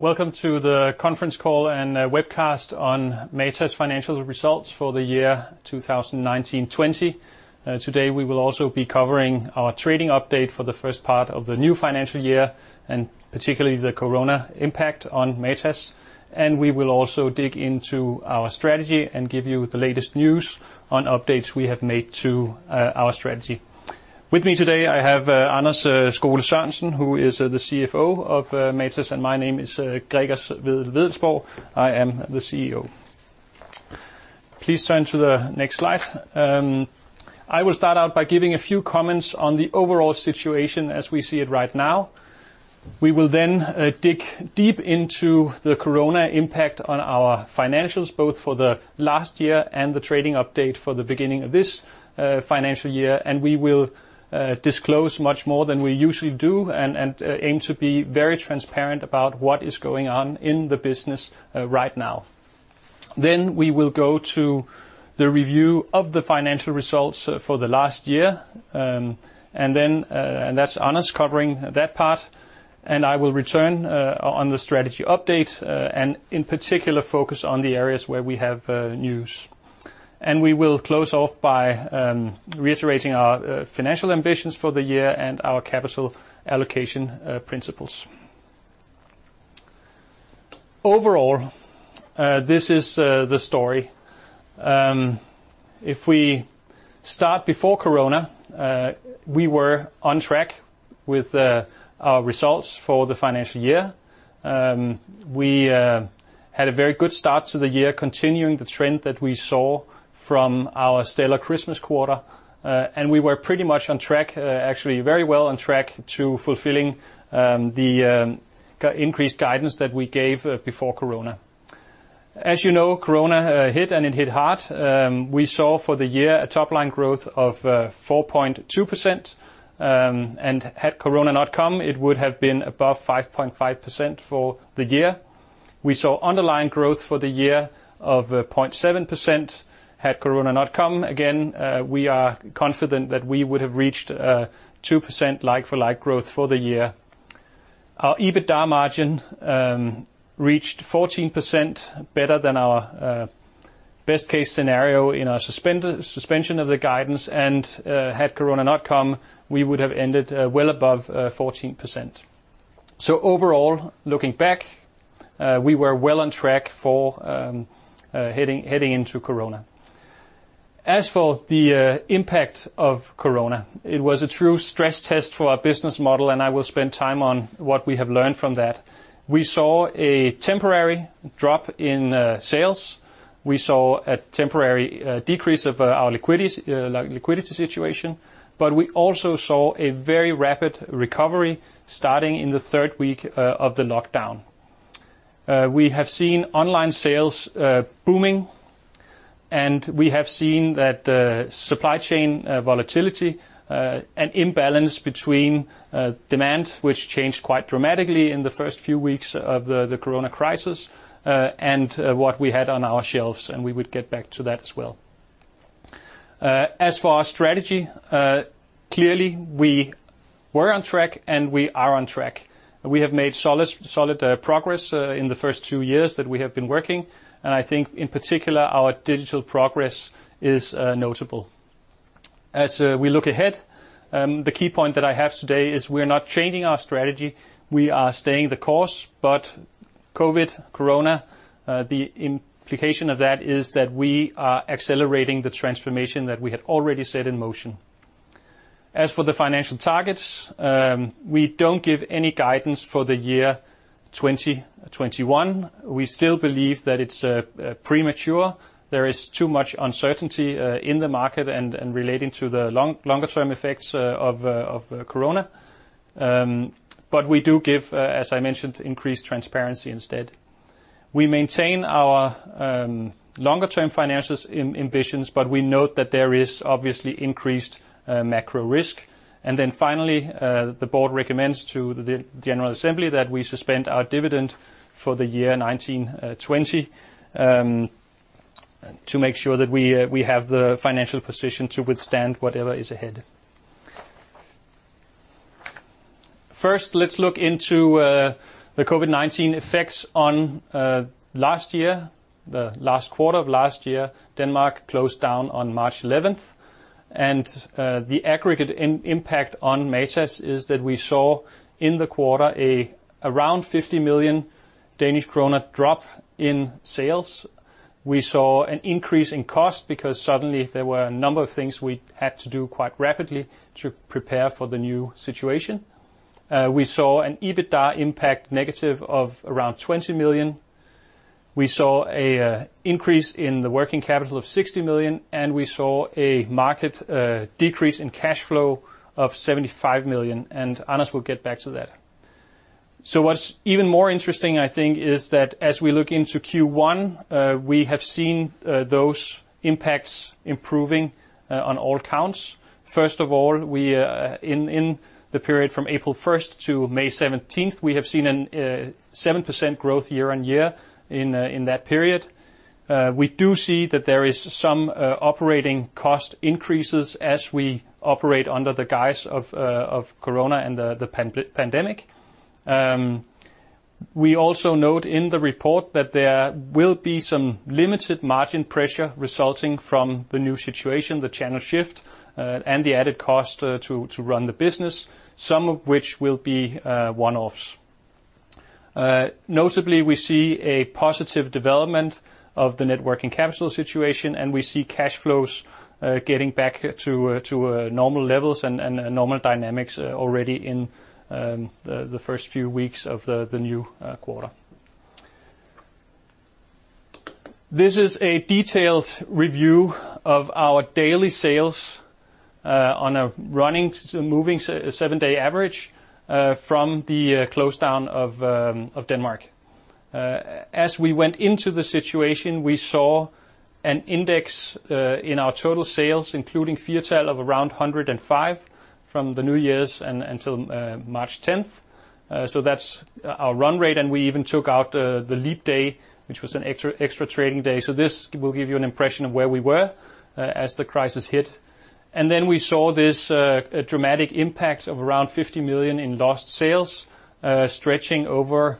Welcome to the conference call and webcast on Matas financial results for the year 2019/2020. Today, we will also be covering our trading update for the first part of the new financial year, and particularly the corona impact on Matas. We will also dig into our strategy and give you the latest news on updates we have made to our strategy. With me today, I have Anders Skole-Sørensen, who is the CFO of Matas, and my name is Gregers Wedell-Wedellsborg. I am the CEO. Please turn to the next slide. I will start out by giving a few comments on the overall situation as we see it right now. We will then dig deep into the corona impact on our financials, both for the last year and the trading update for the beginning of this financial year. We will disclose much more than we usually do and aim to be very transparent about what is going on in the business right now. We will go to the review of the financial results for the last year. That's Anders covering that part. I will return on the strategy update, and in particular, focus on the areas where we have news. We will close off by reiterating our financial ambitions for the year and our capital allocation principles. Overall, this is the story. If we start before corona, we were on track with our results for the financial year. We had a very good start to the year, continuing the trend that we saw from our stellar Christmas quarter, and we were pretty much on track, actually very well on track, to fulfilling the increased guidance that we gave before corona. As you know, Corona hit, and it hit hard. We saw for the year a top-line growth of 4.2%, and had Corona not come, it would have been above 5.5% for the year. We saw underlying growth for the year of 0.7%. Had Corona not come, again, we are confident that we would have reached a 2% like-for-like growth for the year. Our EBITDA margin reached 14%, better than our best-case scenario in our suspension of the guidance, and had Corona not come, we would have ended well above 14%. Overall, looking back, we were well on track for heading into Corona. As for the impact of Corona, it was a true stress test for our business model, and I will spend time on what we have learned from that. We saw a temporary drop in sales. We saw a temporary decrease of our liquidity situation, but we also saw a very rapid recovery starting in the third week of the lockdown. We have seen online sales booming, and we have seen that supply chain volatility, an imbalance between demand, which changed quite dramatically in the first few weeks of the corona crisis, and what we had on our shelves, and we would get back to that as well. As for our strategy, clearly we were on track, and we are on track. We have made solid progress in the first two years that we have been working, and I think, in particular, our digital progress is notable. As we look ahead, the key point that I have today is we're not changing our strategy. We are staying the course, COVID, corona, the implication of that is that we are accelerating the transformation that we had already set in motion. As for the financial targets, we don't give any guidance for the year 2021. We still believe that it's premature. There is too much uncertainty in the market and relating to the longer-term effects of corona. We do give, as I mentioned, increased transparency instead. We maintain our longer-term financials ambitions, but we note that there is obviously increased macro risk. Finally, the board recommends to the general assembly that we suspend our dividend for the year 2019/2020 to make sure that we have the financial position to withstand whatever is ahead. First, let's look into the COVID-19 effects on last year, the last quarter of last year. Denmark closed down on March 11th, the aggregate impact on Matas is that we saw in the quarter around 50 million Danish krone drop in sales. We saw an increase in cost because suddenly there were a number of things we had to do quite rapidly to prepare for the new situation. We saw an EBITDA impact negative of around 20 million. We saw an increase in the working capital of 60 million, and we saw a market decrease in cash flow of 75 million, and Anders will get back to that. What's even more interesting, I think, is that as we look into Q1, we have seen those impacts improving on all counts. First of all, in the period from April 1st to May 17th, we have seen a 7% growth year-on-year in that period. We do see that there is some operating cost increases as we operate under the guise of corona and the pandemic. We also note in the report that there will be some limited margin pressure resulting from the new situation, the channel shift, and the added cost to run the business, some of which will be one-offs. Notably, we see a positive development of the net working capital situation, and we see cash flows getting back to normal levels and normal dynamics already in the first few weeks of the new quarter. This is a detailed review of our daily sales on a moving seven-day average from the close down of Denmark. As we went into the situation, we saw an index in our total sales, including Firtal, of around 105 from the New Year's until March 10th. That's our run rate, and we even took out the leap day, which was an extra trading day. This will give you an impression of where we were as the crisis hit. We saw this dramatic impact of around 50 million in lost sales, stretching over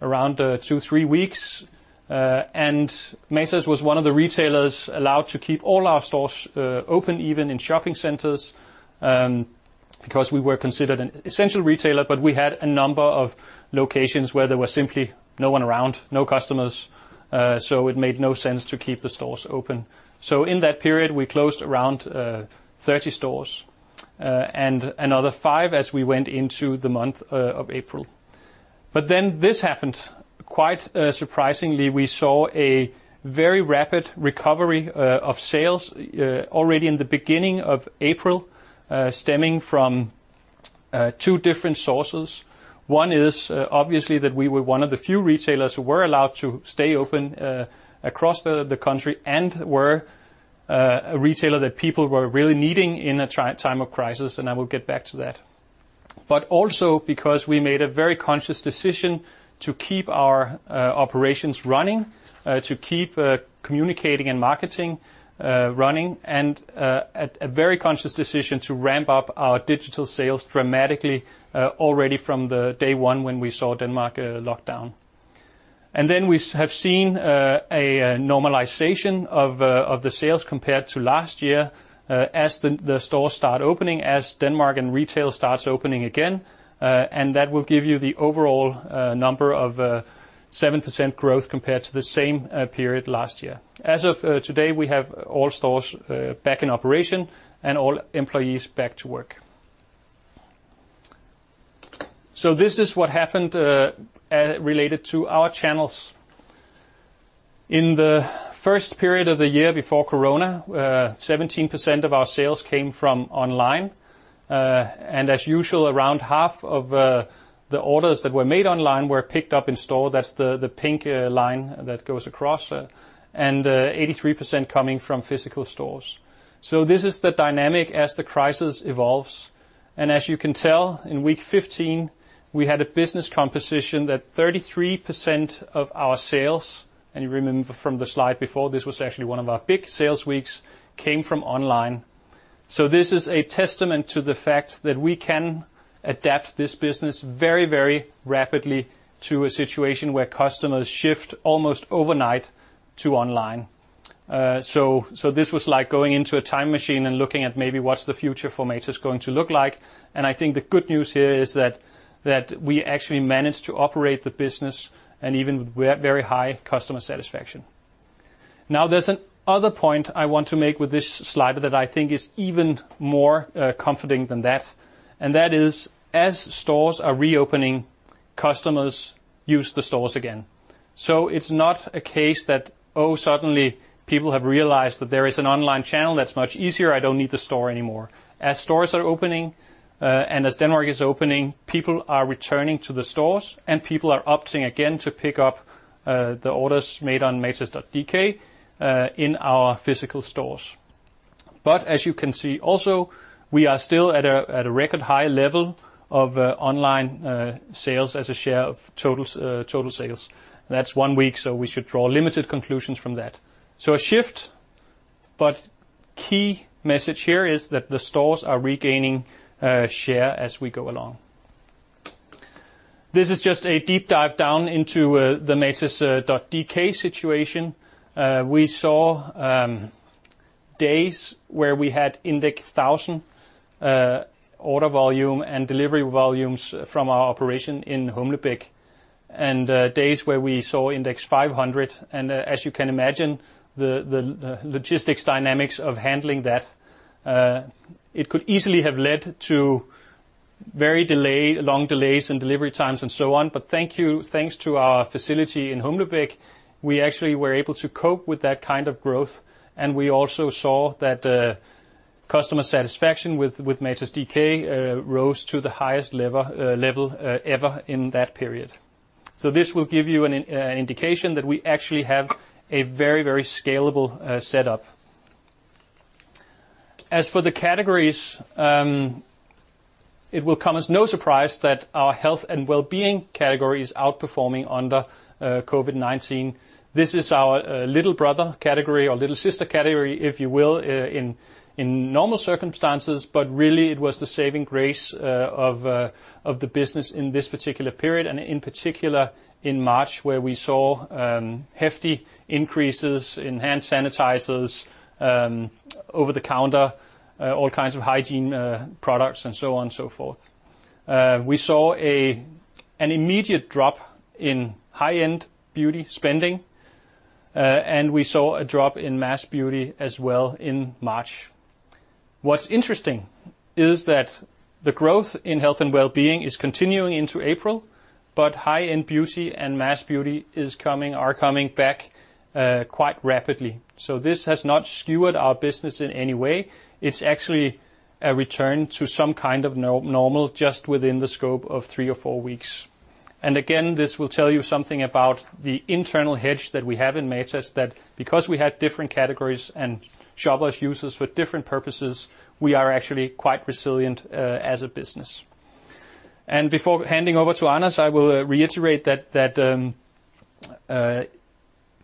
around two, three weeks. Matas was one of the retailers allowed to keep all our stores open, even in shopping centers, because we were considered an essential retailer, but we had a number of locations where there was simply no one around, no customers, so it made no sense to keep the stores open. In that period, we closed around 30 stores and another five as we went into the month of April. This happened. Quite surprisingly, we saw a very rapid recovery of sales already in the beginning of April, stemming from two different sources. One is, obviously, that we were one of the few retailers who were allowed to stay open across the country and were a retailer that people were really needing in a time of crisis. I will get back to that. Also because we made a very conscious decision to keep our operations running, to keep communicating and marketing running, and a very conscious decision to ramp up our digital sales dramatically already from the day one when we saw Denmark lockdown. We have seen a normalization of the sales compared to last year as the stores start opening, as Denmark and retail starts opening again, and that will give you the overall number of 7% growth compared to the same period last year. As of today, we have all stores back in operation and all employees back to work. This is what happened related to our channels. In the first period of the year before COVID-19, 17% of our sales came from online. As usual, around half of the orders that were made online were picked up in store. That's the pink line that goes across. 83% coming from physical stores. This is the dynamic as the crisis evolves. As you can tell, in week 15, we had a business composition that 33% of our sales, and you remember from the slide before, this was actually one of our big sales weeks, came from online. This is a testament to the fact that we can adapt this business very, very rapidly to a situation where customers shift almost overnight to online. This was like going into a time machine and looking at maybe what's the future for Matas going to look like. I think the good news here is that we actually managed to operate the business and even with very high customer satisfaction. There's another point I want to make with this slide that I think is even more comforting than that. That is, as stores are reopening, customers use the stores again. It's not a case that, oh, suddenly people have realized that there is an online channel that's much easier, I don't need the store anymore. As stores are opening and as Denmark is opening, people are returning to the stores and people are opting again to pick up the orders made on matas.dk in our physical stores. As you can see also, we are still at a record high level of online sales as a share of total sales. That's one week, so we should draw limited conclusions from that. A shift, but key message here is that the stores are regaining share as we go along. This is just a deep dive down into the matas.dk situation. We saw days where we had index 1,000 order volume and delivery volumes from our operation in Humlebæk, and days where we saw index 500. As you can imagine, the logistics dynamics of handling that, it could easily have led to very long delays in delivery times and so on. Thanks to our facility in Humlebæk, we actually were able to cope with that kind of growth, and we also saw that customer satisfaction with matas.dk rose to the highest level ever in that period. This will give you an indication that we actually have a very, very scalable setup. As for the categories, it will come as no surprise that our health and wellbeing category is outperforming under COVID-19. This is our little brother category or little sister category, if you will, in normal circumstances, but really it was the saving grace of the business in this particular period, and in particular in March, where we saw hefty increases in hand sanitizers, over-the-counter all kinds of hygiene products and so on and so forth. We saw an immediate drop in high-end beauty spending, and we saw a drop in mass beauty as well in March. What's interesting is that the growth in health and wellbeing is continuing into April, but high-end beauty and mass beauty are coming back quite rapidly. This has not skewed our business in any way. It's actually a return to some kind of normal just within the scope of three or four weeks. Again, this will tell you something about the internal hedge that we have in Matas, that because we had different categories and shoppers use us for different purposes, we are actually quite resilient as a business. Before handing over to Anders, I will reiterate that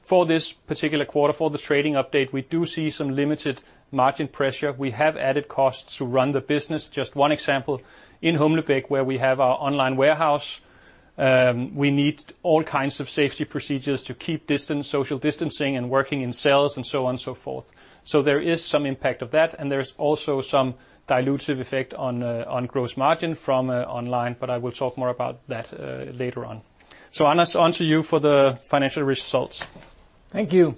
for this particular quarter, for this trading update, we do see some limited margin pressure. We have added costs to run the business. Just one example, in Humlebæk, where we have our online warehouse, we need all kinds of safety procedures to keep social distancing and working in sales and so on and so forth. There is some impact of that, and there's also some dilutive effect on gross margin from online, but I will talk more about that later on. Anders, on to you for the financial results. Thank you. Thanks,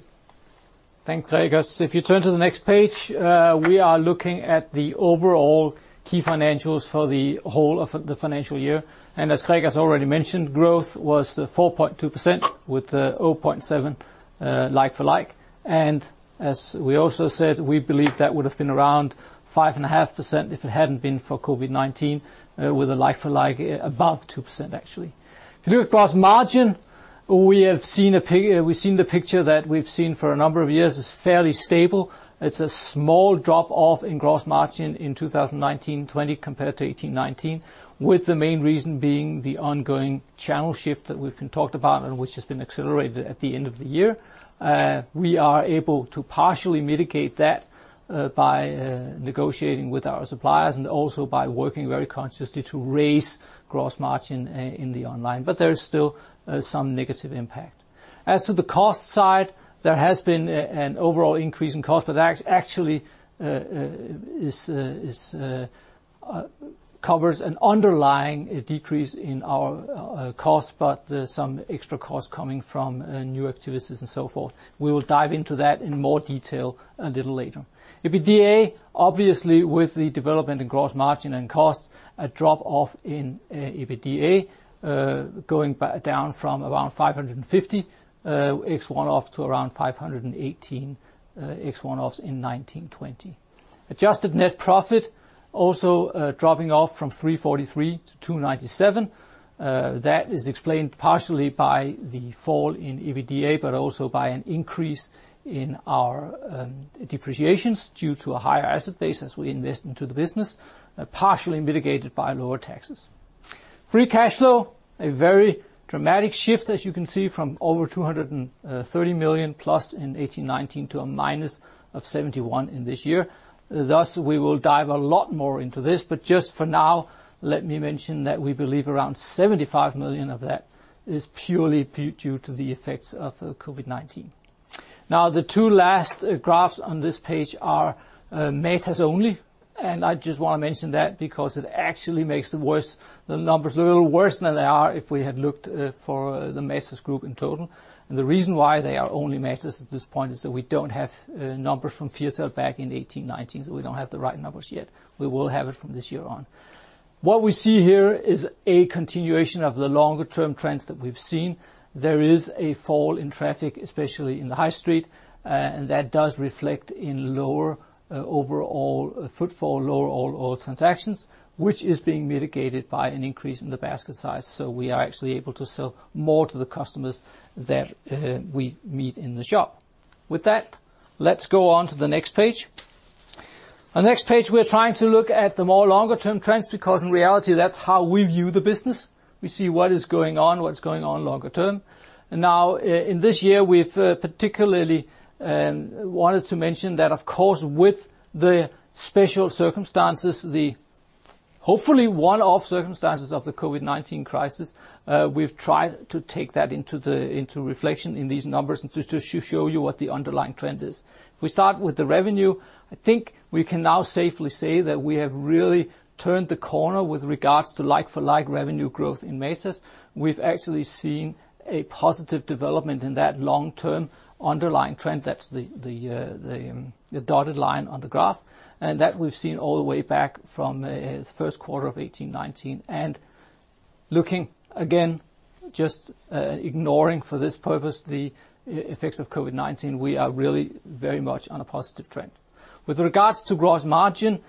Gregers. If you turn to the next page, we are looking at the overall key financials for the whole of the financial year. As Gregers already mentioned, growth was 4.2% with 0.7% like-for-like. As we also said, we believe that would've been around 5.5% if it hadn't been for COVID-19, with a like-for-like above 2%, actually. If you look at gross margin, we've seen the picture that we've seen for a number of years, it's fairly stable. It's a small drop-off in gross margin in 2019/2020 compared to 2018/2019, with the main reason being the ongoing channel shift that we've talked about and which has been accelerated at the end of the year. We are able to partially mitigate that by negotiating with our suppliers and also by working very consciously to raise gross margin in the online. There is still some negative impact. As to the cost side, there has been an overall increase in cost, that actually covers an underlying decrease in our cost, some extra costs coming from new activities and so forth. We will dive into that in more detail a little later. EBITDA, obviously with the development in gross margin and cost, a drop-off in EBITDA, going down from around 550 million ex one-off to around 518 million ex one-offs in 2019/2020. Adjusted net profit also dropping off from 343 million to 297 million. That is explained partially by the fall in EBITDA, also by an increase in our depreciations due to a higher asset base as we invest into the business, partially mitigated by lower taxes. Free cash flow, a very dramatic shift, as you can see, from over 230+ million in 2018/2019 to a minus of 71 million in this year. We will dive a lot more into this, but just for now let me mention that we believe around 75 million of that is purely due to the effects of COVID-19. The two last graphs on this page are Matas only, and I just want to mention that because it actually makes the numbers a little worse than they are if we had looked for the Matas Group in total. The reason why they are only Matas at this point is that we don't have numbers from Firtal back in 2018/2019, so we don't have the right numbers yet. We will have it from this year on. What we see here is a continuation of the longer-term trends that we've seen. There is a fall in traffic, especially in the high street. That does reflect in lower overall footfall, lower overall transactions, which is being mitigated by an increase in the basket size. We are actually able to sell more to the customers that we meet in the shop. With that, let's go on to the next page. On the next page, we're trying to look at the more longer-term trends because in reality, that's how we view the business. We see what is going on, what's going on longer term. In this year, we've particularly wanted to mention that, of course, with the special circumstances, the hopefully one-off circumstances of the COVID-19 crisis, we've tried to take that into reflection in these numbers and just to show you what the underlying trend is. If we start with the revenue, I think we can now safely say that we have really turned the corner with regards to like-for-like revenue growth in Matas. We've actually seen a positive development in that long-term underlying trend. That's the dotted line on the graph. That we've seen all the way back from the first quarter of 2018/2019. Just ignoring for this purpose the effects of COVID-19, we are really very much on a positive trend. With regards to gross margin,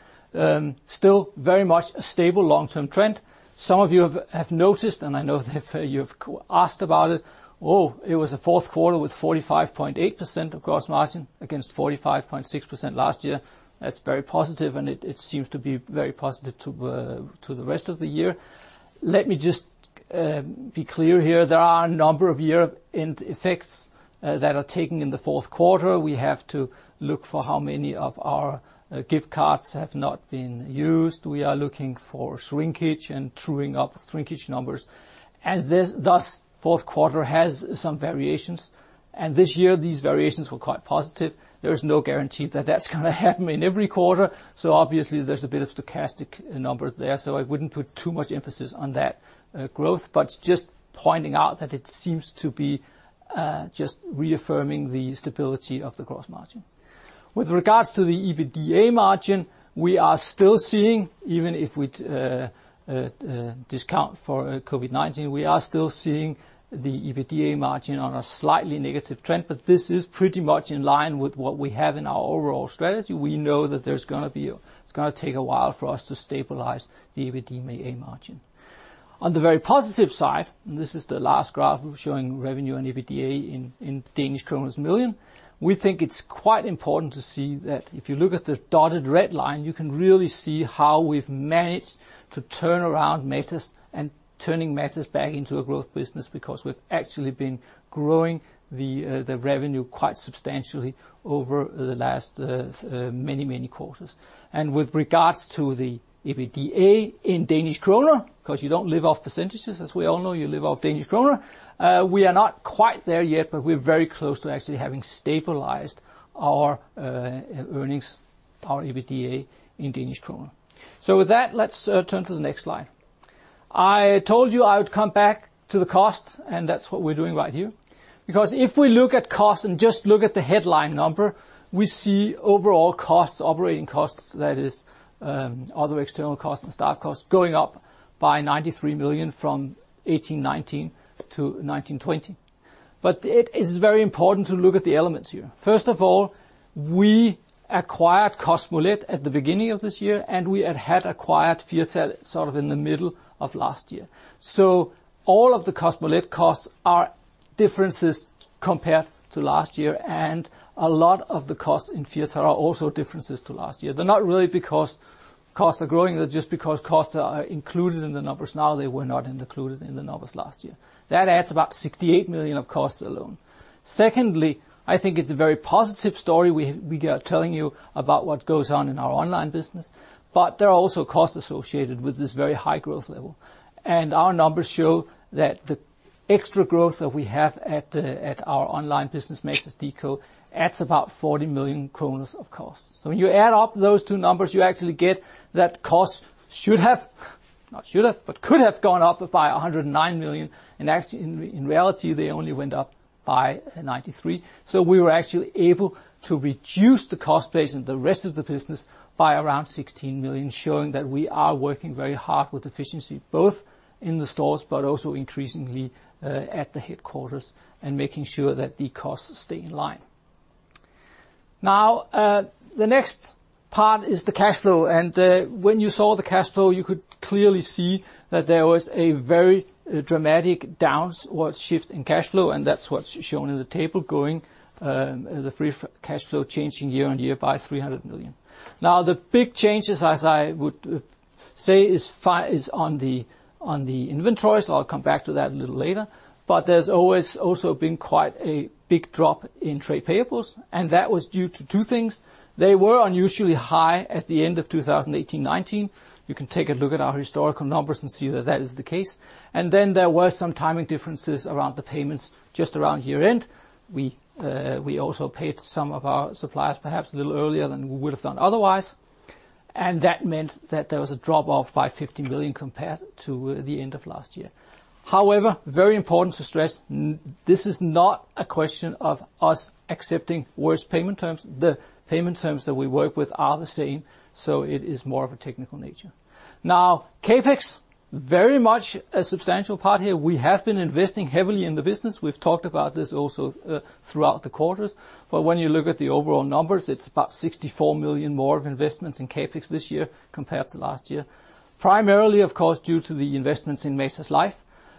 still very much a stable long-term trend. Some of you have noticed, I know that you've asked about it was a fourth quarter with 45.8% of gross margin against 45.6% last year. That's very positive, it seems to be very positive to the rest of the year. Let me just be clear here. There are a number of year-end effects that are taken in the fourth quarter. We have to look for how many of our gift cards have not been used. We are looking for shrinkage and truing up shrinkage numbers. Thus, fourth quarter has some variations, and this year these variations were quite positive. There is no guarantee that that's going to happen in every quarter, obviously there's a bit of stochastic numbers there. I wouldn't put too much emphasis on that growth, but just pointing out that it seems to be just reaffirming the stability of the gross margin. With regards to the EBITDA margin, we are still seeing, even if we discount for COVID-19, we are still seeing the EBITDA margin on a slightly negative trend, this is pretty much in line with what we have in our overall strategy. We know that it's going to take a while for us to stabilize the EBITDA margin. On the very positive side, this is the last graph showing revenue and EBITDA in Danish krone million. We think it's quite important to see that if you look at the dotted red line, you can really see how we've managed to turn around Matas and turning Matas back into a growth business because we've actually been growing the revenue quite substantially over the last many, many quarters. With regards to the EBITDA in Danish krone, because you don't live off percentage, as we all know, you live off Danish krone. We are not quite there yet, but we're very close to actually having stabilized our earnings, our EBITDA, in Danish krone. With that, let's turn to the next slide. I told you I would come back to the cost, and that's what we're doing right here. If we look at cost and just look at the headline number, we see overall costs, operating costs, that is other external costs and staff costs, going up by 93 million from 2018/2019 to 2019/2020. It is very important to look at the elements here. First of all, we acquired Kosmolet at the beginning of this year, and we had acquired Firtal sort of in the middle of last year. All of the Kosmolet costs are differences compared to last year, and a lot of the costs in Firtal are also differences to last year. They're not really because costs are growing, they're just because costs are included in the numbers now, they were not included in the numbers last year. That adds about 68 million of costs alone. I think it's a very positive story we are telling you about what goes on in our online business. There are also costs associated with this very high growth level. Our numbers show that the extra growth that we have at our online business, matas.dk, adds about 40 million kroner of costs. When you add up those two numbers, you actually get that cost should have, not should have, but could have gone up by 109 million. Actually, in reality, they only went up by 93. We were actually able to reduce the cost base in the rest of the business by around 16 million, showing that we are working very hard with efficiency, both in the stores but also increasingly at the headquarters and making sure that the costs stay in line. The next part is the cash flow. When you saw the cash flow, you could clearly see that there was a very dramatic downward shift in cash flow, and that's what's shown in the table, the free cash flow changing year-on-year by 300 million. The big changes, as I would say, is on the inventories. I'll come back to that a little later. There's always also been quite a big drop in trade payables, and that was due to two things. They were unusually high at the end of 2018/2019. You can take a look at our historical numbers and see that that is the case. Then there were some timing differences around the payments just around year-end. We also paid some of our suppliers perhaps a little earlier than we would have done otherwise. That meant that there was a drop-off by 50 million compared to the end of last year. However, very important to stress, this is not a question of us accepting worse payment terms. The payment terms that we work with are the same, so it is more of a technical nature. CapEx, very much a substantial part here. We have been investing heavily in the business. We've talked about this also throughout the quarters. When you look at the overall numbers, it's about 64 million more of investments in CapEx this year compared to last year. Primarily, of course, due to the investments in Matas Life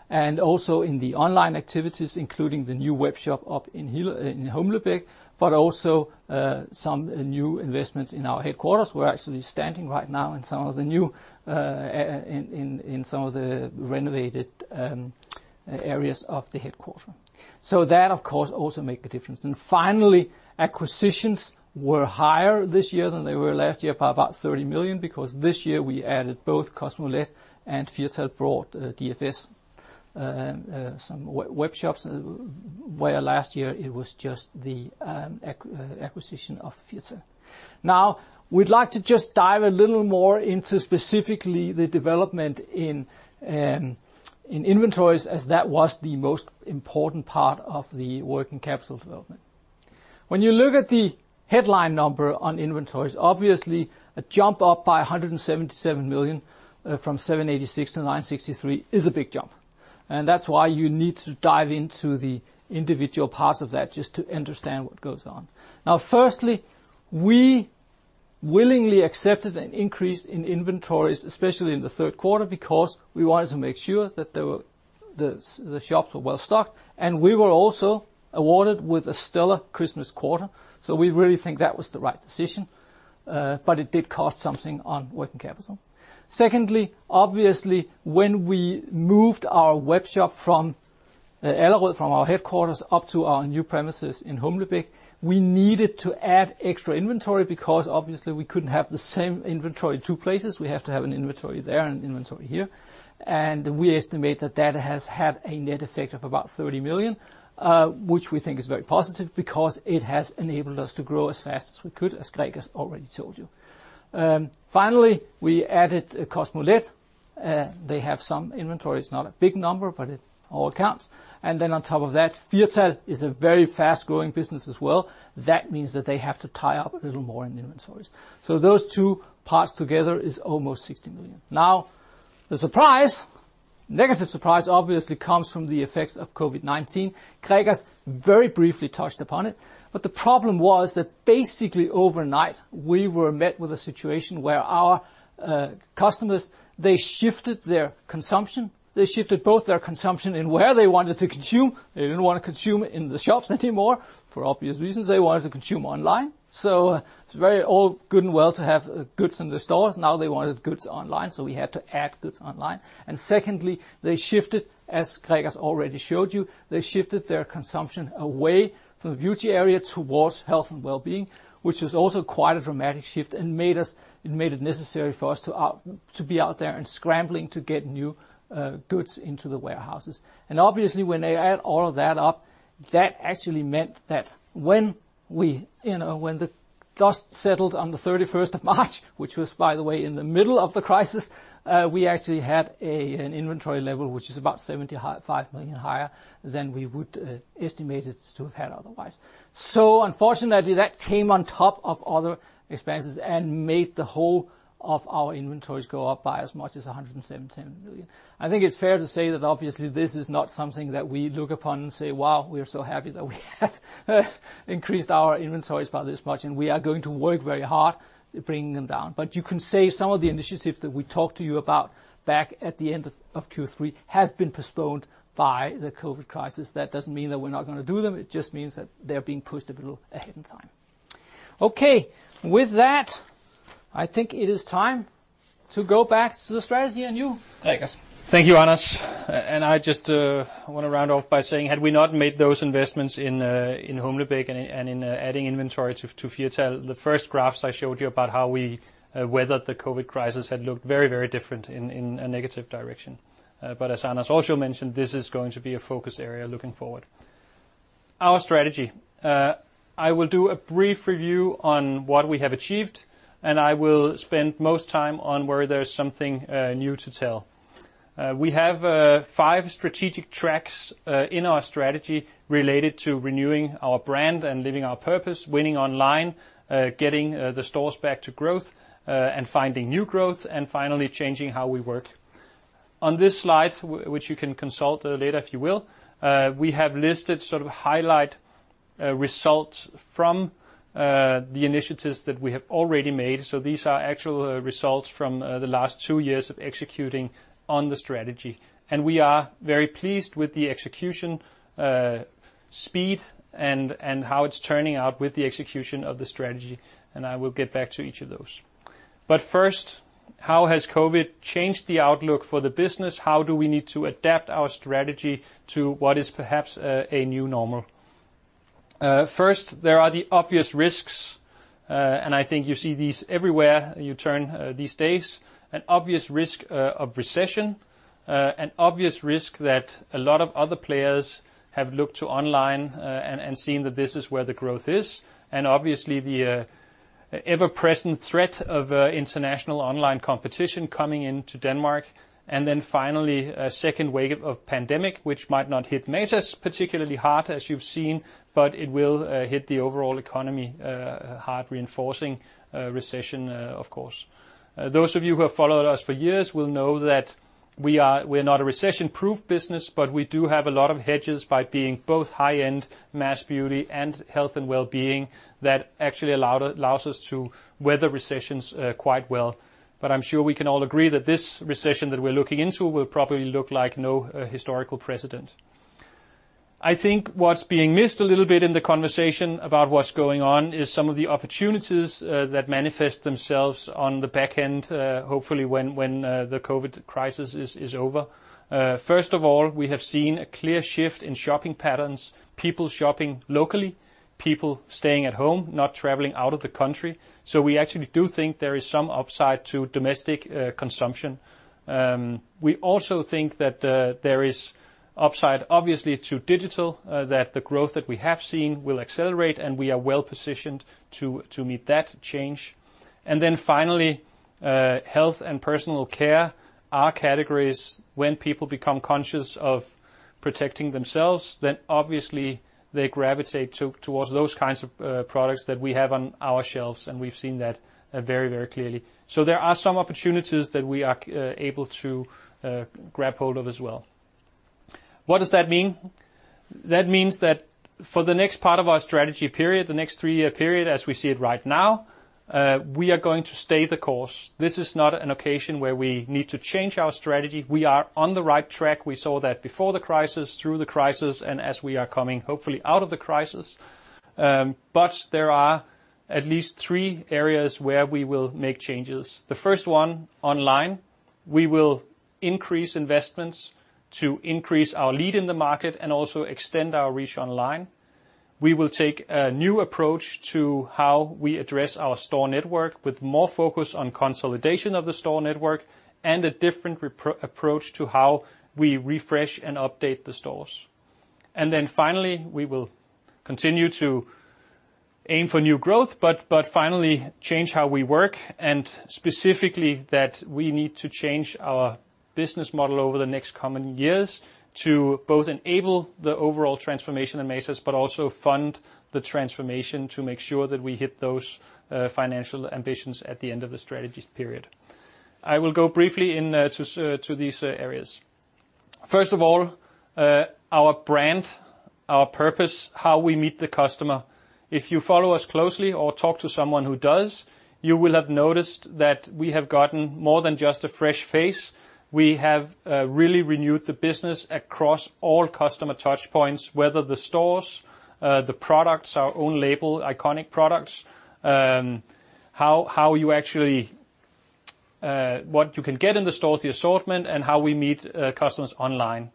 and also in the online activities, including the new webshop up in Humlebæk, but also some new investments in our headquarters. We're actually standing right now in some of the renovated areas of the headquarters. That, of course, also make a difference. Finally, acquisitions were higher this year than they were last year by about 30 million because this year we added both Kosmolet and Firtal bought DFS and some webshops, where last year it was just the acquisition of Firtal. Now, we'd like to just dive a little more into specifically the development in inventories, as that was the most important part of the working capital development. When you look at the headline number on inventories, obviously a jump up by 177 million from 786 million to 963 million is a big jump, and that's why you need to dive into the individual parts of that just to understand what goes on. Firstly, we willingly accepted an increase in inventories, especially in the third quarter, because we wanted to make sure that the shops were well-stocked, and we were also awarded with a stellar Christmas quarter. We really think that was the right decision, but it did cost something on working capital. Obviously, when we moved our web shop from Allerød, from our headquarters, up to our new premises in Humlebæk, we needed to add extra inventory because obviously we couldn't have the same inventory in two places. We have to have an inventory there and an inventory here. We estimate that has had a net effect of about 30 million, which we think is very positive because it has enabled us to grow as fast as we could, as Gregers already told you. We added Kosmolet. They have some inventory. It's not a big number, but it all counts. On top of that, Firtal is a very fast-growing business as well. That means that they have to tie up a little more in inventories. Those two parts together is almost 60 million. Now, the surprise, negative surprise, obviously comes from the effects of COVID-19. Gregers very briefly touched upon it, but the problem was that basically overnight, we were met with a situation where our customers, they shifted their consumption. They shifted both their consumption in where they wanted to consume. They didn't want to consume in the shops anymore for obvious reasons. They wanted to consume online. It's all good and well to have goods in the stores. Now they wanted goods online, so we had to add goods online. Secondly, they shifted, as Gregers already showed you, they shifted their consumption away from the beauty area towards health and wellbeing, which was also quite a dramatic shift and made it necessary for us to be out there and scrambling to get new goods into the warehouses. Obviously, when they add all of that up, that actually meant that when the dust settled on the March 31st, which was, by the way, in the middle of the crisis, we actually had an inventory level which is about 75 million higher than we would estimate it to have had otherwise. Unfortunately, that came on top of other expenses and made the whole of our inventories go up by as much as 177 million. I think it is fair to say that obviously this is not something that we look upon and say, "Wow, we are so happy that we have increased our inventories by this much," and we are going to work very hard bringing them down. You can say some of the initiatives that we talked to you about back at the end of Q3 have been postponed by the COVID-19 crisis. That doesn't mean that we're not going to do them. It just means that they're being pushed a little ahead in time. Okay. With that, I think it is time to go back to the strategy, and you, Gregers. Thank you, Anders. I just want to round off by saying had we not made those investments in Humlebæk and in adding inventory to Firtal, the first graphs I showed you about how we weathered the COVID crisis had looked very, very different in a negative direction. As Anders also mentioned, this is going to be a focus area looking forward. Our strategy. I will do a brief review on what we have achieved, and I will spend most time on where there's something new to tell. We have five strategic tracks in our strategy related to renewing our brand and living our purpose, winning online, getting the stores back to growth, and finding new growth, and finally, changing how we work. On this slide, which you can consult later, if you will, we have listed sort of highlight results from the initiatives that we have already made. These are actual results from the last two years of executing on the strategy. We are very pleased with the execution speed and how it's turning out with the execution of the strategy, and I will get back to each of those. First, how has COVID-19 changed the outlook for the business? How do we need to adapt our strategy to what is perhaps a new normal? First, there are the obvious risks, and I think you see these everywhere you turn these days. An obvious risk of recession, an obvious risk that a lot of other players have looked to online and seen that this is where the growth is, and obviously the ever-present threat of international online competition coming into Denmark. Finally, a second wave of pandemic, which might not hit Matas particularly hard, as you've seen, but it will hit the overall economy hard, reinforcing recession, of course. Those of you who have followed us for years will know that we're not a recession-proof business, but we do have a lot of hedges by being both high-end mass beauty and health and wellbeing that actually allows us to weather recessions quite well. I'm sure we can all agree that this recession that we're looking into will probably look like no historical precedent. I think what's being missed a little bit in the conversation about what's going on is some of the opportunities that manifest themselves on the back end, hopefully, when the COVID crisis is over. First of all, we have seen a clear shift in shopping patterns, people shopping locally, people staying at home, not traveling out of the country. We actually do think there is some upside to domestic consumption. We also think that there is upside, obviously, to digital, that the growth that we have seen will accelerate, and we are well-positioned to meet that change. Finally, health and personal care are categories when people become conscious of protecting themselves, then obviously they gravitate towards those kinds of products that we have on our shelves, and we've seen that very clearly. There are some opportunities that we are able to grab hold of as well. What does that mean? That means that for the next part of our strategy period, the next three-year period as we see it right now, we are going to stay the course. This is not an occasion where we need to change our strategy. We are on the right track. We saw that before the crisis, through the crisis, and as we are coming, hopefully, out of the crisis. There are at least three areas where we will make changes. The first one, online. We will increase investments to increase our lead in the market and also extend our reach online. We will take a new approach to how we address our store network with more focus on consolidation of the store network and a different approach to how we refresh and update the stores. Finally, we will continue to aim for new growth, but finally change how we work and specifically that we need to change our business model over the next coming years to both enable the overall transformation in Matas, but also fund the transformation to make sure that we hit those financial ambitions at the end of the strategy period. I will go briefly into these areas. First of all, our brand, our purpose, how we meet the customer. If you follow us closely or talk to someone who does, you will have noticed that we have gotten more than just a fresh face. We have really renewed the business across all customer touch points, whether the stores, the products, our own label, iconic products, what you can get in the stores, the assortment, and how we meet customers online.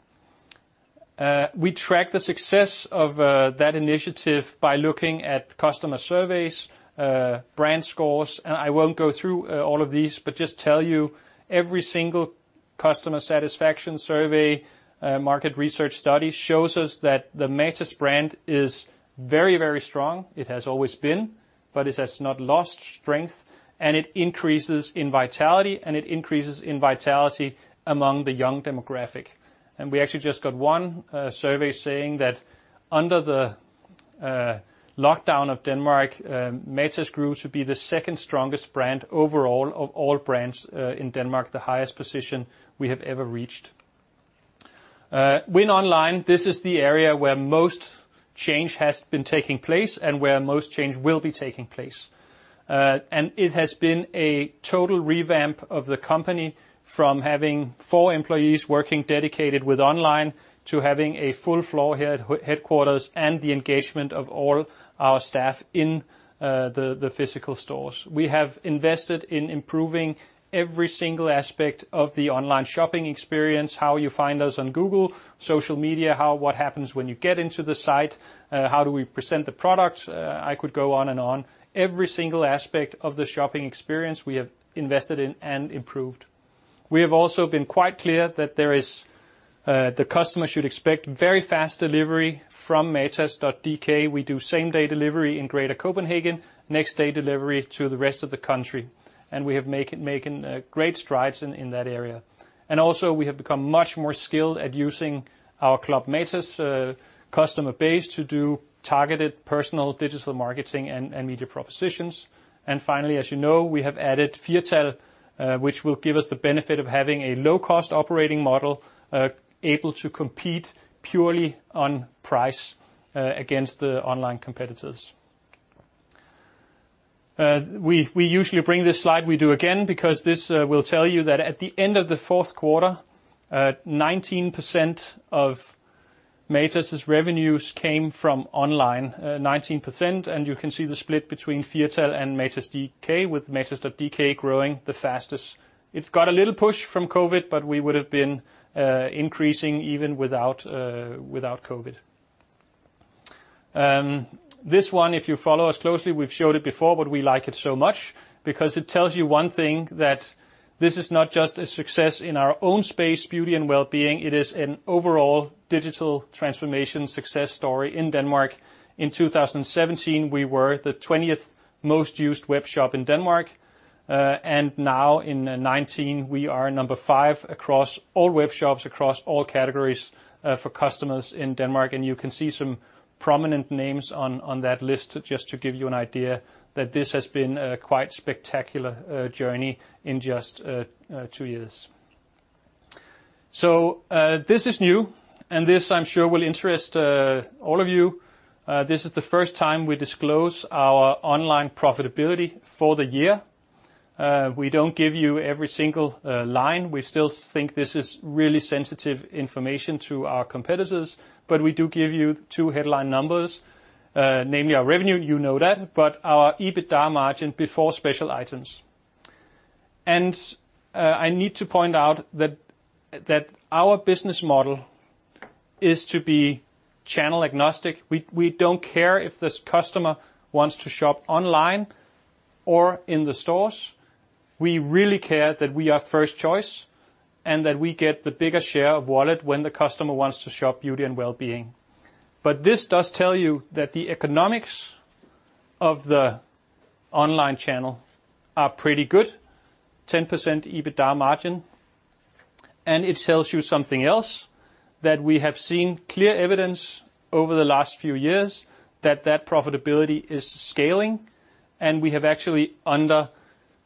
We track the success of that initiative by looking at customer surveys, brand scores. I won't go through all of these, but just tell you every single customer satisfaction survey, market research study shows us that the Matas brand is very, very strong. It has always been, but it has not lost strength, and it increases in vitality, and it increases in vitality among the young demographic. We actually just got one survey saying that under the lockdown of Denmark, Matas grew to be the second strongest brand overall of all brands in Denmark, the highest position we have ever reached. Win online, this is the area where most change has been taking place and where most change will be taking place. It has been a total revamp of the company from having four employees working dedicated with online to having a full floor here at headquarters and the engagement of all our staff in the physical stores. We have invested in improving every single aspect of the online shopping experience, how you find us on Google, social media, what happens when you get into the site, how do we present the product. I could go on and on. Every single aspect of the shopping experience we have invested in and improved. We have also been quite clear that the customer should expect very fast delivery from matas.dk. We do same-day delivery in greater Copenhagen, next-day delivery to the rest of the country, and we have made great strides in that area. Also we have become much more skilled at using our Club Matas customer base to do targeted personal digital marketing and media propositions. Finally, as you know, we have added Firtal, which will give us the benefit of having a low-cost operating model, able to compete purely on price against the online competitors. We usually bring this slide. We do again because this will tell you that at the end of the fourth quarter, 19% of Matas's revenues came from online, 19%. You can see the split between Firtal and matas.dk, with matas.dk growing the fastest. It got a little push from COVID, we would have been increasing even without COVID. This one, if you follow us closely, we've showed it before, but we like it so much because it tells you one thing that this is not just a success in our own space, beauty and wellbeing, it is an overall digital transformation success story in Denmark. In 2017, we were the 20th most used web shop in Denmark. Now in 2019, we are number five across all web shops, across all categories for customers in Denmark. You can see some prominent names on that list just to give you an idea that this has been a quite spectacular journey in just two years. This is new, and this I'm sure will interest all of you. This is the first time we disclose our online profitability for the year. We don't give you every single line. We still think this is really sensitive information to our competitors. We do give you two headline numbers, namely our revenue, you know that, our EBITDA margin before special items. I need to point out that our business model is to be channel agnostic. We don't care if this customer wants to shop online or in the stores. We really care that we are first choice and that we get the bigger share of wallet when the customer wants to shop beauty and wellbeing. This does tell you that the economics of the online channel are pretty good, 10% EBITDA margin. It tells you something else, that we have seen clear evidence over the last few years that profitability is scaling, and we have actually, under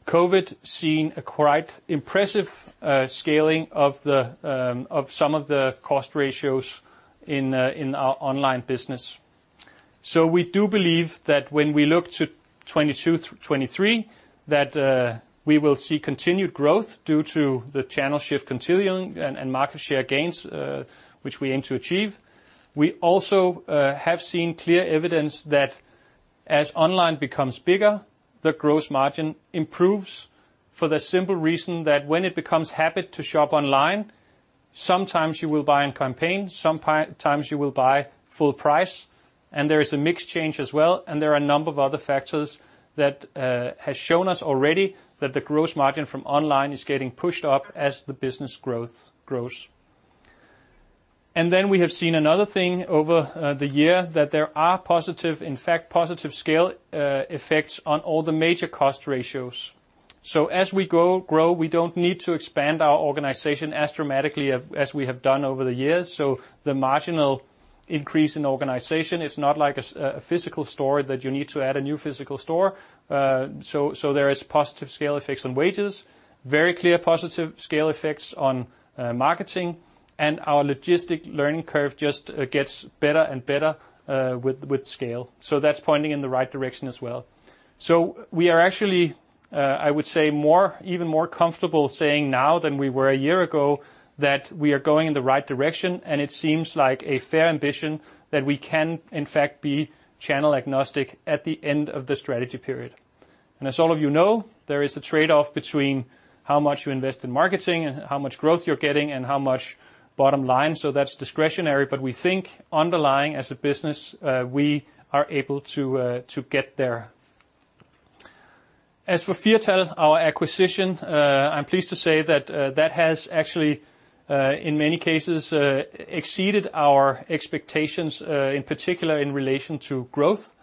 COVID, seen a quite impressive scaling of some of the cost ratios in our online business. We do believe that when we look to 2022, 2023, that we will see continued growth due to the channel shift continuing and market share gains, which we aim to achieve. We also have seen clear evidence that as online becomes bigger, the gross margin improves for the simple reason that when it becomes habit to shop online, sometimes you will buy on campaign, sometimes you will buy full price, and there is a mix change as well. There are a number of other factors that have shown us already that the gross margin from online is getting pushed up as the business grows. We have seen another thing over the year, that there are positive, in fact, positive scale effects on all the major cost ratios. As we grow, we don't need to expand our organization as dramatically as we have done over the years. The marginal increase in organization, it's not like a physical store that you need to add a new physical store. There is positive scale effects on wages. Very clear positive scale effects on marketing. Our logistic learning curve just gets better and better with scale. That's pointing in the right direction as well. We are actually, I would say even more comfortable saying now than we were a year ago, that we are going in the right direction, and it seems like a fair ambition that we can in fact be channel agnostic at the end of the strategy period. As all of you know, there is a trade-off between how much you invest in marketing and how much growth you're getting and how much bottom line. That's discretionary. We think underlying as a business, we are able to get there. As for Firtal, our acquisition, I'm pleased to say that that has actually, in many cases, exceeded our expectations, in particular in relation to growth.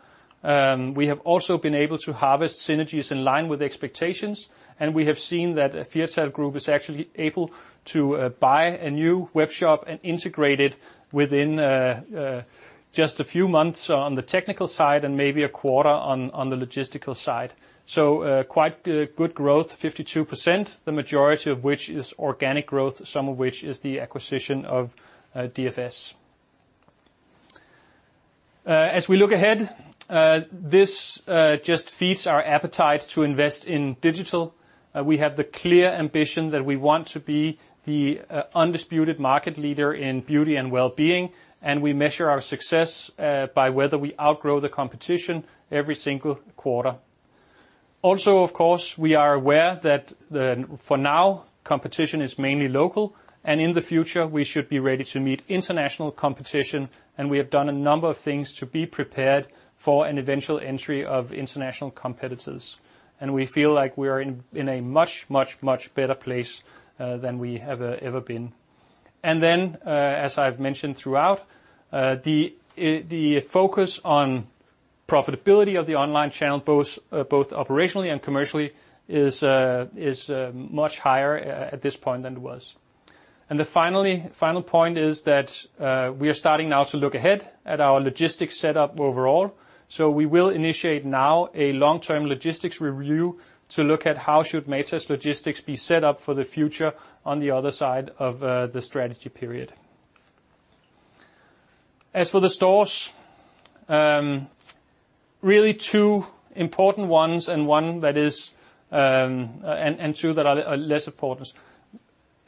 We have also been able to harvest synergies in line with expectations, and we have seen that Firtal Group is actually able to buy a new web shop and integrate it within just a few months on the technical side and maybe a quarter on the logistical side. Quite good growth, 52%, the majority of which is organic growth, some of which is the acquisition of DFS. As we look ahead, this just feeds our appetite to invest in digital. We have the clear ambition that we want to be the undisputed market leader in beauty and wellbeing, and we measure our success by whether we outgrow the competition every single quarter. Also, of course, we are aware that for now, competition is mainly local, and in the future, we should be ready to meet international competition, and we have done a number of things to be prepared for an eventual entry of international competitors. We feel like we are in a much, much, much better place than we have ever been. As I've mentioned throughout, the focus on profitability of the online channel, both operationally and commercially, is much higher at this point than it was. The final point is that we are starting now to look ahead at our logistics setup overall. We will initiate now a long-term logistics review to look at how should Matas logistics be set up for the future on the other side of the strategy period. As for the stores, really two important ones and two that are less important.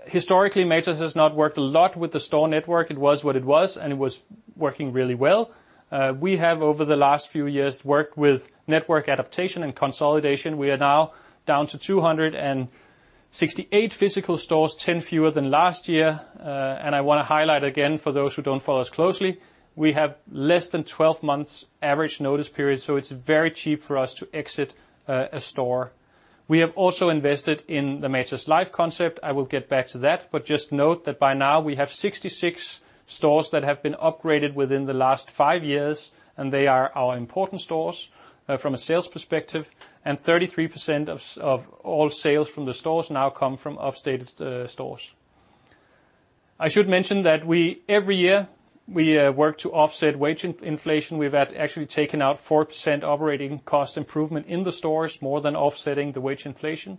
Historically, Matas has not worked a lot with the store network. It was what it was, and it was working really well. We have, over the last few years, worked with network adaptation and consolidation. We are now down to 268 physical stores, 10 fewer than last year. I want to highlight again, for those who don't follow us closely, we have less than 12 months average notice period, so it's very cheap for us to exit a store. We have also invested in the Matas Life concept. Just note that by now, we have 66 stores that have been upgraded within the last five years, and they are our important stores from a sales perspective, and 33% of all sales from the stores now come from upgraded stores. I should mention that every year we work to offset wage inflation. We've actually taken out 4% operating cost improvement in the stores, more than offsetting the wage inflation.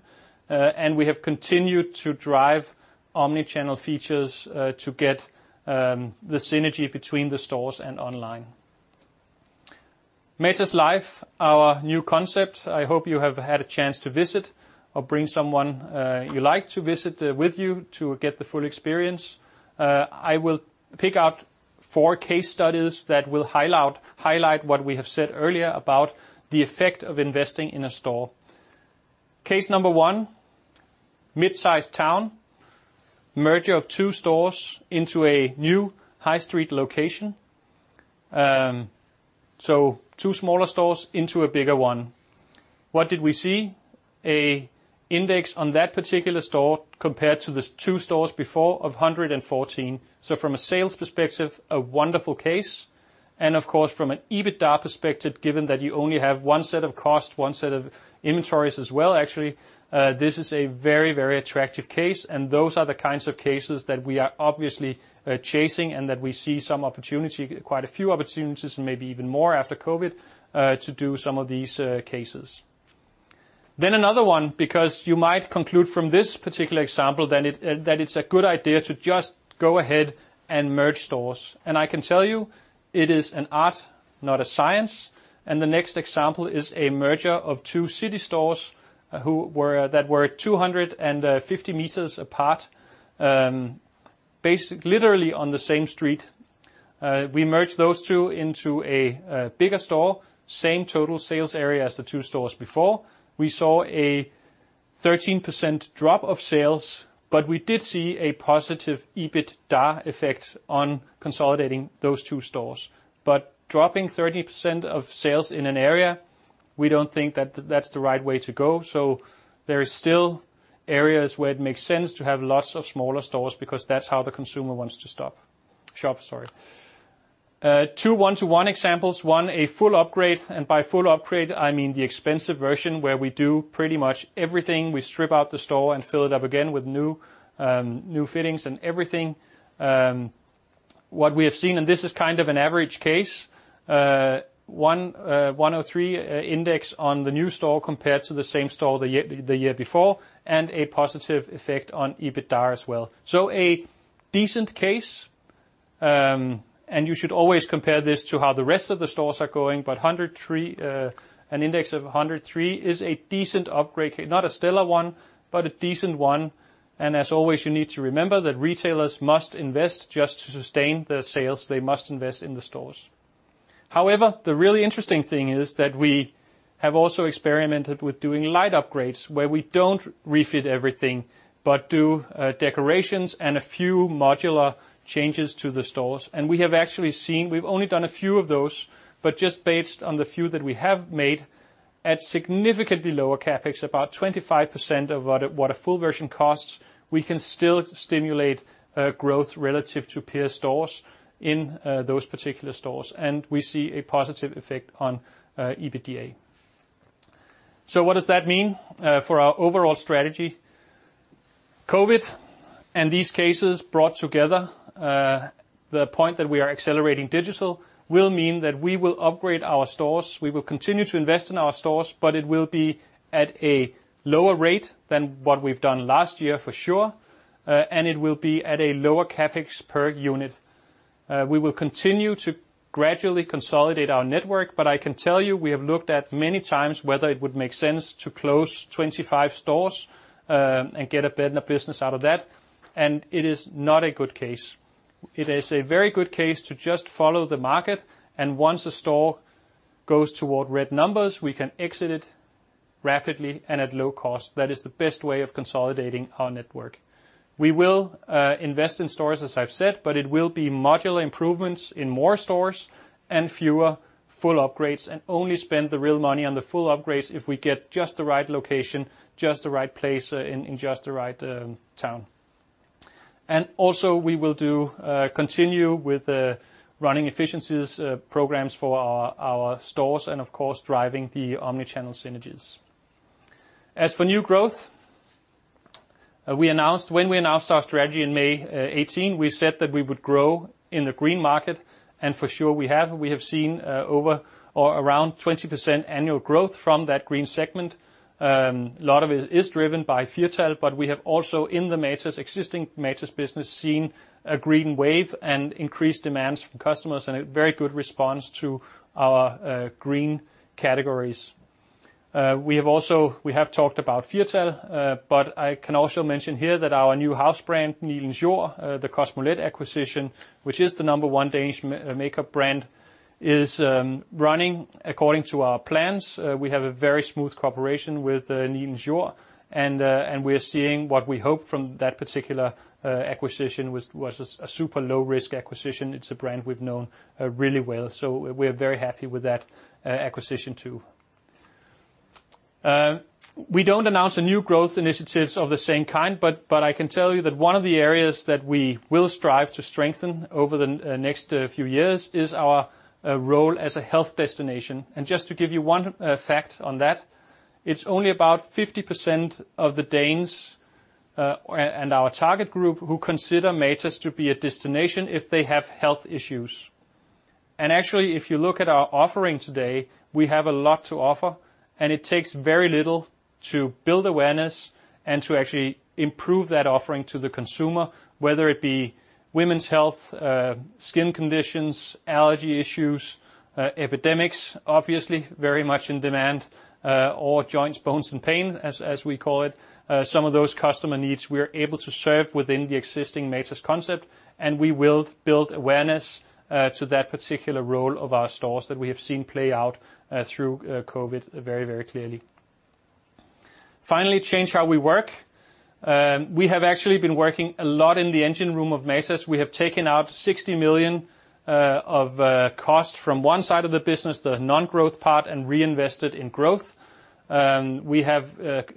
We have continued to drive omni-channel features to get the synergy between the stores and online. Matas Life, our new concept, I hope you have had a chance to visit or bring someone you like to visit with you to get the full experience. I will pick out four case studies that will highlight what we have said earlier about the effect of investing in a store. Case number one, mid-sized town, merger of two stores into a new high street location. Two smaller stores into a bigger one. What did we see? A index on that particular store compared to the two stores before of 114. From a sales perspective, a wonderful case, and of course, from an EBITDA perspective, given that you only have one set of cost, one set of inventories as well, actually, this is a very, very attractive case, and those are the kinds of cases that we are obviously chasing and that we see some opportunity, quite a few opportunities, and maybe even more after COVID-19, to do some of these cases. Another one, because you might conclude from this particular example that it's a good idea to just go ahead and merge stores. I can tell you it is an art, not a science. The next example is a merger of two city stores that were 250 meters apart, literally on the same street. We merged those two into a bigger store, same total sales area as the two stores before. We saw a 13% drop of sales, but we did see a positive EBITDA effect on consolidating those two stores. Dropping 13% of sales in an area, we don't think that that's the right way to go. There is still areas where it makes sense to have lots of smaller stores because that's how the consumer wants to shop. Two one-to-one examples. One, a full upgrade, and by full upgrade, I mean the expensive version where we do pretty much everything. We strip out the store and fill it up again with new fittings and everything. What we have seen, this is kind of an average case, 103 index on the new store compared to the same store the year before, a positive effect on EBITDA as well. A decent case, you should always compare this to how the rest of the stores are going, an index of 103 is a decent upgrade case. Not a stellar one, a decent one. As always, you need to remember that retailers must invest just to sustain the sales. They must invest in the stores. However, the really interesting thing is that we have also experimented with doing light upgrades where we don't refit everything but do decorations and a few modular changes to the stores. We have actually seen, we've only done a few of those, but just based on the few that we have made, at significantly lower CapEx, about 25% of what a full version costs, we can still stimulate growth relative to peer stores in those particular stores, and we see a positive effect on EBITDA. What does that mean for our overall strategy? COVID and these cases brought together the point that we are accelerating digital will mean that we will upgrade our stores. We will continue to invest in our stores, but it will be at a lower rate than what we've done last year for sure, and it will be at a lower CapEx per unit. We will continue to gradually consolidate our network, but I can tell you we have looked at many times whether it would make sense to close 25 stores, and get a better business out of that, and it is not a good case. It is a very good case to just follow the market, and once a store goes toward red numbers, we can exit it rapidly and at low cost. That is the best way of consolidating our network. We will invest in stores, as I've said, but it will be modular improvements in more stores and fewer full upgrades, and only spend the real money on the full upgrades if we get just the right location, just the right place in just the right town. Also we will continue with the running efficiencies programs for our stores and, of course, driving the omni-channel synergies. As for new growth, when we announced our strategy in May 2018, we said that we would grow in the green market, and for sure we have. We have seen over or around 20% annual growth from that green segment. A lot of it is driven by Firtal, but we have also, in the existing Matas business, seen a green wave and increased demands from customers and a very good response to our green categories. We have talked about Firtal, but I can also mention here that our new house brand, Nilens Jord, the Kosmolet acquisition, which is the number one Danish makeup brand, is running according to our plans. We have a very smooth cooperation with Nilens Jord, and we are seeing what we hoped from that particular acquisition, was a super low-risk acquisition. It's a brand we've known really well. We're very happy with that acquisition, too. We don't announce new growth initiatives of the same kind. I can tell you that one of the areas that we will strive to strengthen over the next few years is our role as a health destination. Just to give you one fact on that, it's only about 50% of the Danes and our target group who consider Matas to be a destination if they have health issues. Actually, if you look at our offering today, we have a lot to offer, and it takes very little to build awareness and to actually improve that offering to the consumer, whether it be women's health, skin conditions, allergy issues, epidemics, obviously very much in demand, or joints, bones, and pain, as we call it. Some of those customer needs we are able to serve within the existing Matas concept, and we will build awareness to that particular role of our stores that we have seen play out through COVID very, very clearly. Finally, change how we work. We have actually been working a lot in the engine room of Matas. We have taken out 60 million of cost from one side of the business, the non-growth part, and reinvested in growth. We have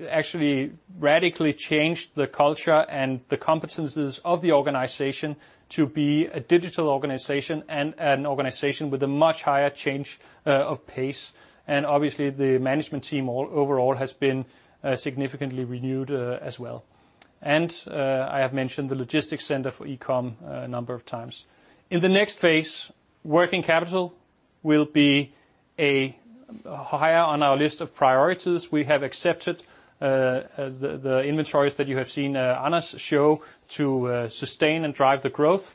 actually radically changed the culture and the competencies of the organization to be a digital organization and an organization with a much higher change of pace. Obviously, the management team overall has been significantly renewed as well. I have mentioned the logistics center for e-com a number of times. In the next phase, working capital will be higher on our list of priorities. We have accepted the inventories that you have seen Anders show to sustain and drive the growth.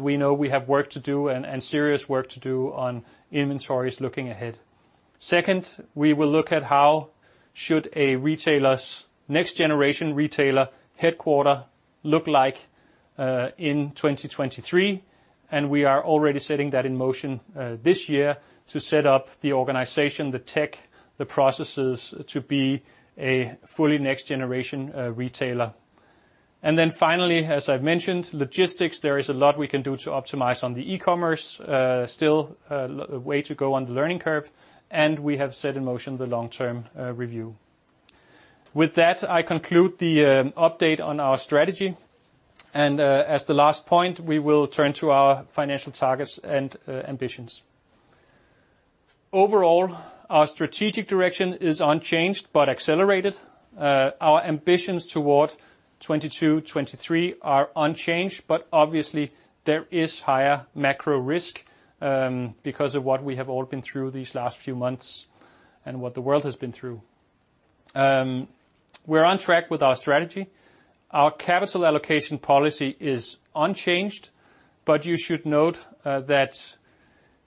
We know we have work to do, and serious work to do on inventories looking ahead. Second, we will look at how should a next generation retailer headquarter look like in 2023? We are already setting that in motion this year to set up the organization, the tech, the processes to be a fully next generation retailer. Finally, as I've mentioned, logistics. There is a lot we can do to optimize on the e-commerce. Still a way to go on the learning curve. We have set in motion the long-term review. With that, I conclude the update on our strategy. As the last point, we will turn to our financial targets and ambitions. Overall, our strategic direction is unchanged but accelerated. Our ambitions toward 2022, 2023 are unchanged. Obviously there is higher macro risk because of what we have all been through these last few months and what the world has been through. We're on track with our strategy. Our capital allocation policy is unchanged. You should note that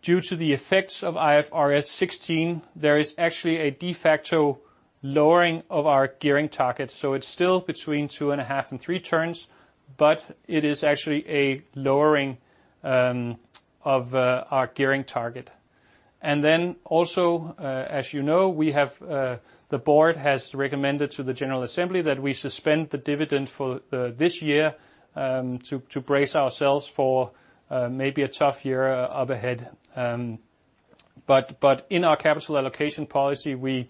due to the effects of IFRS 16, there is actually a de facto lowering of our gearing target. It's still between two and a half and three turns. It is actually a lowering of our gearing target. Also, as you know, the board has recommended to the general assembly that we suspend the dividend for this year to brace ourselves for maybe a tough year up ahead. In our capital allocation policy, we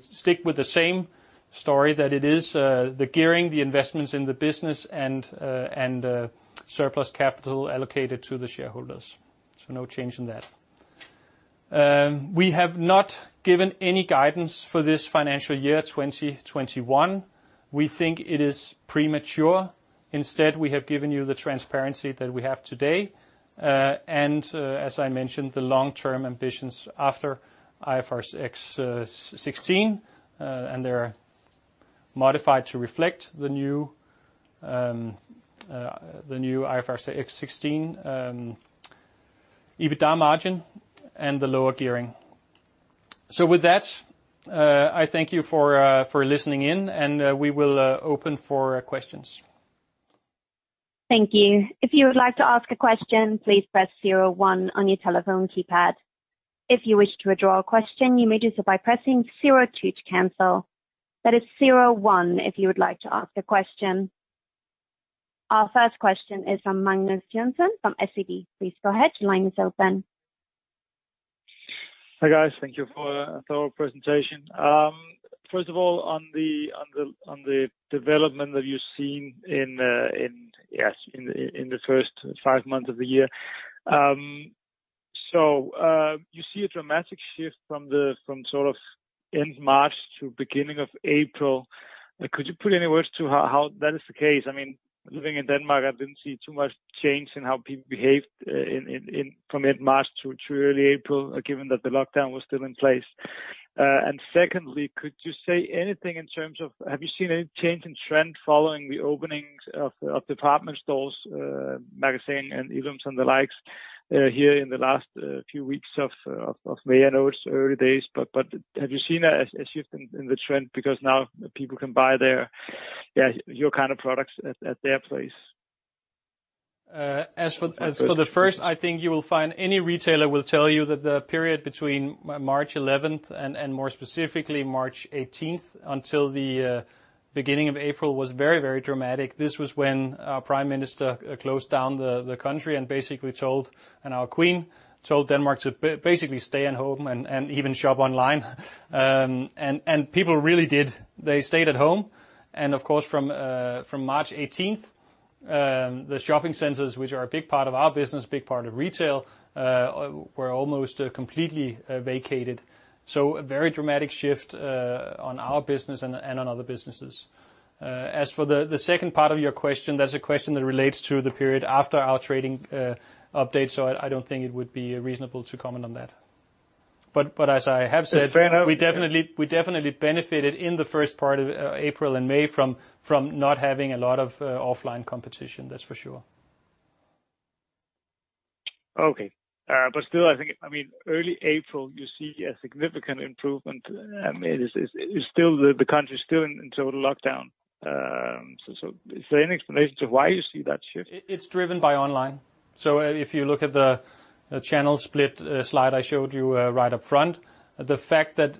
stick with the same story that it is the gearing, the investments in the business, and surplus capital allocated to the shareholders. No change in that. We have not given any guidance for this financial year 2021. We think it is premature. Instead, we have given you the transparency that we have today. As I mentioned, the long-term ambitions after IFRS 16, and they're modified to reflect the new IFRS 16 EBITDA margin and the lower gearing. With that, I thank you for listening in, and we will open for questions. Thank you. If you would like to ask a question, please press zero one on your telephone keypad. If you wish to withdraw a question, you may do so by pressing zero two to cancel. That is zero one if you would like to ask a question. Our first question is from Magnus Jensen from SEB. Please go ahead, your line is open. Hi, guys. Thank you for a thorough presentation. First of all, on the development that you've seen in the first five months of the year. You see a dramatic shift from end March to beginning of April. Could you put any words to how that is the case? Living in Denmark, I didn't see too much change in how people behaved from mid-March to early April, given that the lockdown was still in place. Secondly, could you say anything in terms of, have you seen any change in trend following the openings of department stores, Magasin and ILLUM and the likes here in the last few weeks of May? I know it's early days, have you seen a shift in the trend? Now people can buy your kind of products at their place. As for the first, I think you will find any retailer will tell you that the period between March 11th and more specifically March 18th until the beginning of April was very dramatic. This was when our Prime Minister closed down the country and our queen told Denmark to basically stay at home and even shop online. People really did. They stayed at home. Of course, from March 18th, the shopping centers, which are a big part of our business, big part of retail, were almost completely vacated. A very dramatic shift on our business and on other businesses. As for the second part of your question, that's a question that relates to the period after our trading update. I don't think it would be reasonable to comment on that. As I have said. Fair enough. We definitely benefited in the first part of April and May from not having a lot of offline competition, that's for sure. Okay. Still, I think early April, you see a significant improvement. The country's still in total lockdown. Is there any explanation to why you see that shift? It's driven by online. If you look at the channel split slide I showed you right up front, the fact that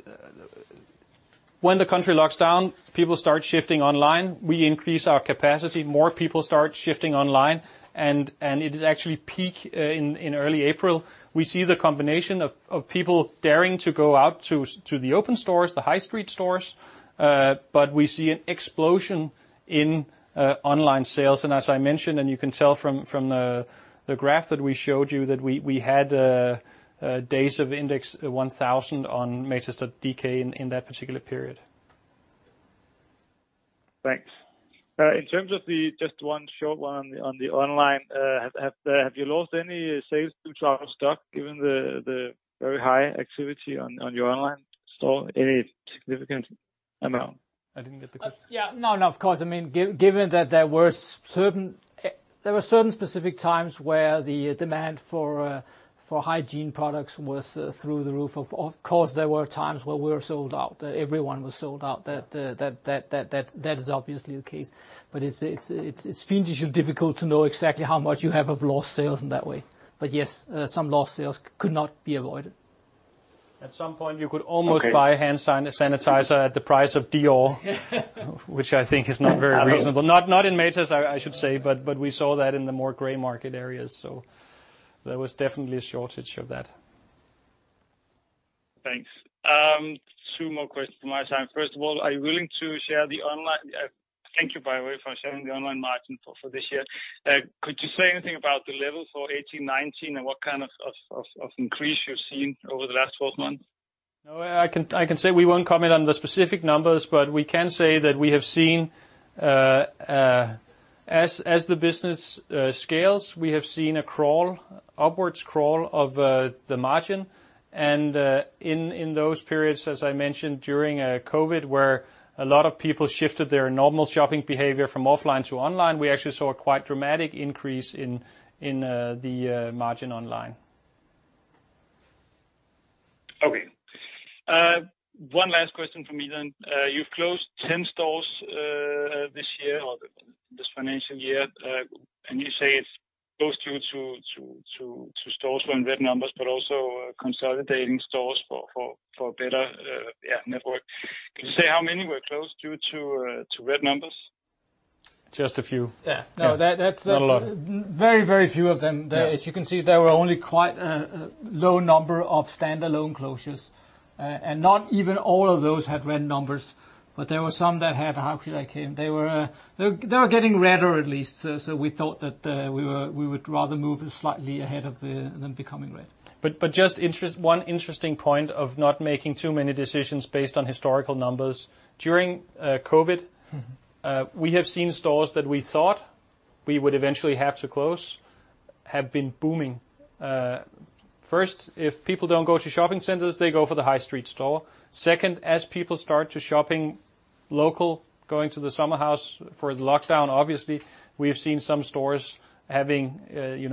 when the country locks down, people start shifting online, we increase our capacity, more people start shifting online, it is actually peak in early April. We see the combination of people daring to go out to the open stores, the high street stores, we see an explosion in online sales. As I mentioned, you can tell from the graph that we showed you, that we had days of index 1,000 on matas.dk in that particular period. Thanks. In terms of just one short one on the online. Have you lost any sales due to out of stock given the very high activity on your online store? Any significant amount? I didn't get the question. Yeah. No, of course, given that there were certain specific times where the demand for hygiene products was through the roof, of course, there were times where we were sold out. Everyone was sold out. That is obviously the case. It's fiendishly difficult to know exactly how much you have of lost sales in that way. Yes, some lost sales could not be avoided. At some point, you could almost buy hand sanitizer at the price of Dior, which I think is not very reasonable. Not in Matas, I should say, but we saw that in the more gray market areas. There was definitely a shortage of that. Thanks. Two more questions for my time. First of all, thank you, by the way, for sharing the online margin for this year. Could you say anything about the levels for 2018/2019 and what kind of increase you've seen over the last 12 months? No, I can say we won't comment on the specific numbers, but we can say that we have seen, as the business scales, we have seen a crawl, upwards crawl of the margin. In those periods, as I mentioned, during COVID, where a lot of people shifted their normal shopping behavior from offline to online, we actually saw a quite dramatic increase in the margin online. Okay. One last question from me, then. You've closed 10 stores this year or this financial year. You say it's both due to stores from red numbers, but also consolidating stores for better network. Can you say how many were closed due to red numbers? Just a few. Yeah. No. Not a lot. very, very few of them. Yeah. As you can see, there were only quite a low number of standalone closures, and not even all of those had red numbers, but there were some that had, how should I say? They were getting redder at least. We thought that we would rather move slightly ahead of them becoming red. Just one interesting point of not making too many decisions based on historical numbers. During COVID-19, we have seen stores that we thought we would eventually have to close, have been booming. First, if people don't go to shopping centers, they go for the high street store. Second, as people start to shopping local, going to the summer house for the lockdown, obviously, we have seen some stores having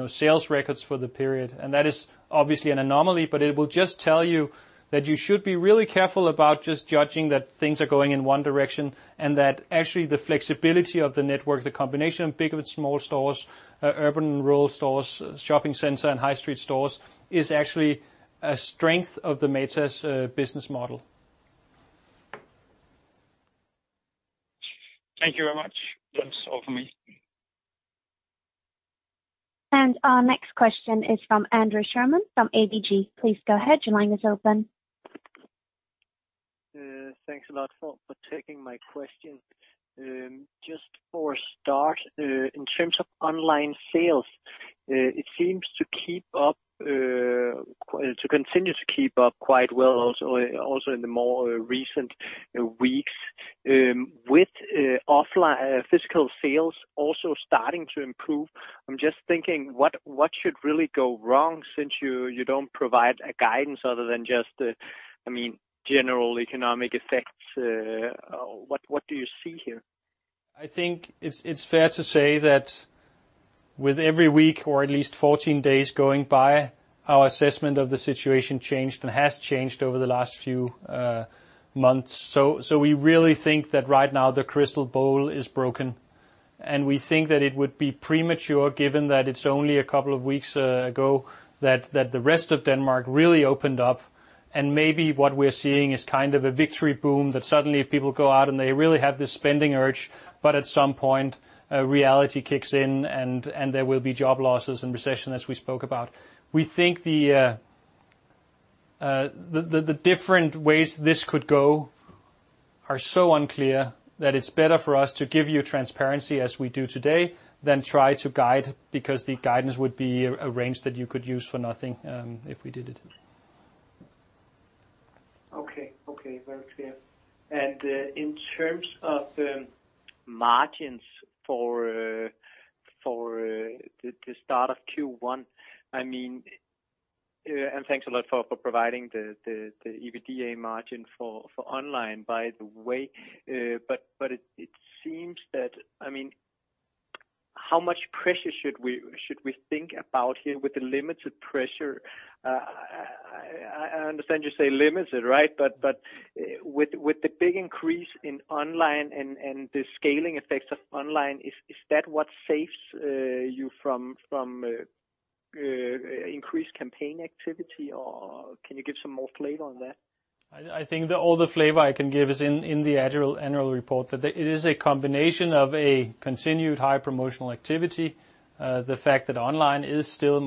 sales records for the period, and that is obviously an anomaly, but it will just tell you that you should be really careful about just judging that things are going in one direction, and that actually the flexibility of the network, the combination of big and small stores, urban and rural stores, shopping center and high street stores, is actually a strength of the Matas business model. Thank you very much. That's all for me. Our next question is from André Thormann from ABG. Please go ahead. Your line is open. Thanks a lot for taking my question. Just for start, in terms of online sales, it seems to continue to keep up quite well also in the more recent weeks. With physical sales also starting to improve, I am just thinking, what should really go wrong since you do not provide a guidance other than just the general economic effects? What do you see here? I think it's fair to say that with every week or at least 14 days going by, our assessment of the situation changed and has changed over the last few months. We really think that right now the crystal ball is broken, and we think that it would be premature given that it's only a couple of weeks ago that the rest of Denmark really opened up, and maybe what we're seeing is kind of a victory boom, that suddenly people go out and they really have this spending urge, but at some point, reality kicks in and there will be job losses and recession as we spoke about. We think the different ways this could go are so unclear that it's better for us to give you transparency as we do today than try to guide, because the guidance would be a range that you could use for nothing if we did it. Okay. Very clear. In terms of margins for the start of Q1, thanks a lot for providing the EBITDA margin for online, by the way. It seems that how much pressure should we think about here with the limited pressure? I understand you say limited, right? With the big increase in online and the scaling effects of online, is that what saves you from increased campaign activity, or can you give some more flavor on that? I think that all the flavor I can give is in the annual report, that it is a combination of a continued high promotional activity. The fact that online is still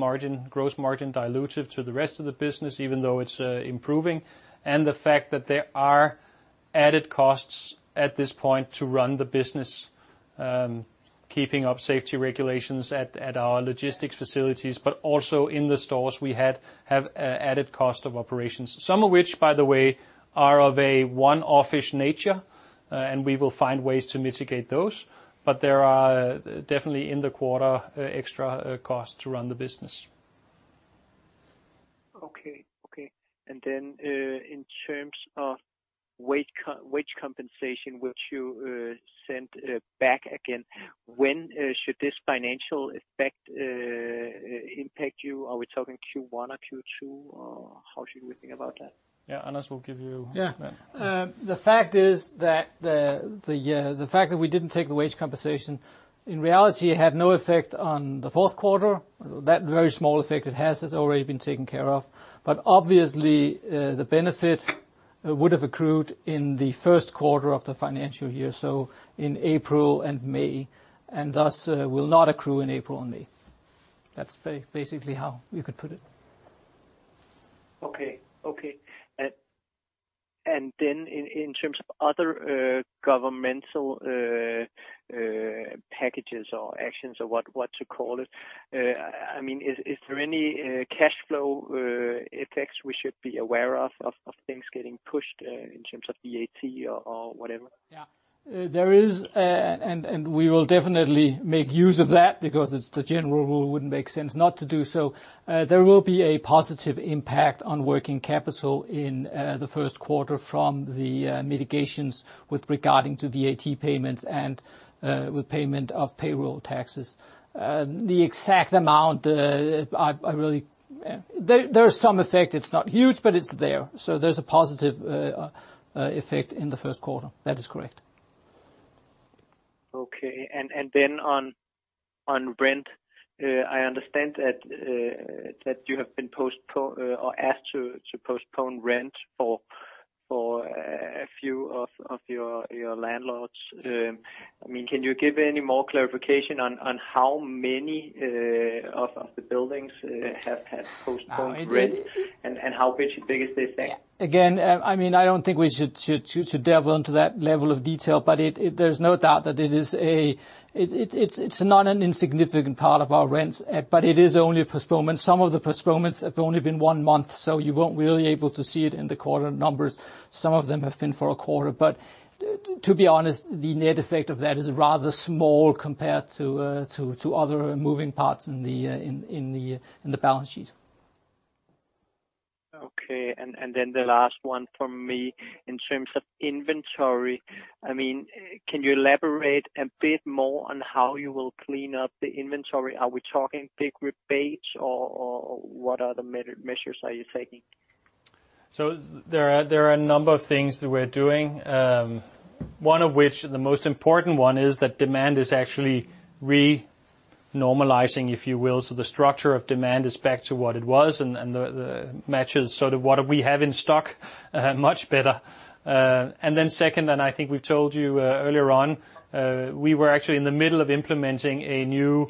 gross margin dilutive to the rest of the business, even though it's improving, and the fact that there are added costs at this point to run the business, keeping up safety regulations at our logistics facilities, but also in the stores we have added cost of operations. Some of which, by the way, are of a one-off-ish nature, and we will find ways to mitigate those. There are definitely in the quarter extra costs to run the business. Okay. In terms of wage compensation, which you sent back again, when should this financial impact you? Are we talking Q1 or Q2, or how should we think about that? Yeah. Yeah. The fact that we didn't take the wage compensation, in reality, it had no effect on the fourth quarter. That very small effect it has already been taken care of. Obviously, the benefit would have accrued in the first quarter of the financial year, so in April and May, and thus will not accrue in April and May. That's basically how you could put it. Okay. Then in terms of other governmental packages or actions or what to call it, is there any cash flow effects we should be aware of things getting pushed in terms of VAT or whatever? Yeah. There is, and we will definitely make use of that because it's the general rule, wouldn't make sense not to do so. There will be a positive impact on working capital in the first quarter from the mitigations with regarding to VAT payments and with payment of payroll taxes. The exact amount. There is some effect. It's not huge, but it's there. There's a positive effect in the first quarter. That is correct. Okay. On rent, I understand that you have been asked to postpone rent for a few of your landlords. Can you give any more clarification on how many of the buildings have had postponed rent and how big is the effect? Again, I don't think we should delve into that level of detail, but there's no doubt that it's not an insignificant part of our rents. It is only a postponement. Some of the postponements have only been one month, so you won't really able to see it in the quarter numbers. Some of them have been for a quarter. To be honest, the net effect of that is rather small compared to other moving parts in the balance sheet. Okay. The last one from me. In terms of inventory, can you elaborate a bit more on how you will clean up the inventory? Are we talking big rebates or what other measures are you taking? There are a number of things that we're doing. One of which, the most important one is that demand is actually re-normalizing, if you will. The structure of demand is back to what it was and matches sort of what we have in stock much better. Then second, and I think we've told you earlier on, we were actually in the middle of implementing a new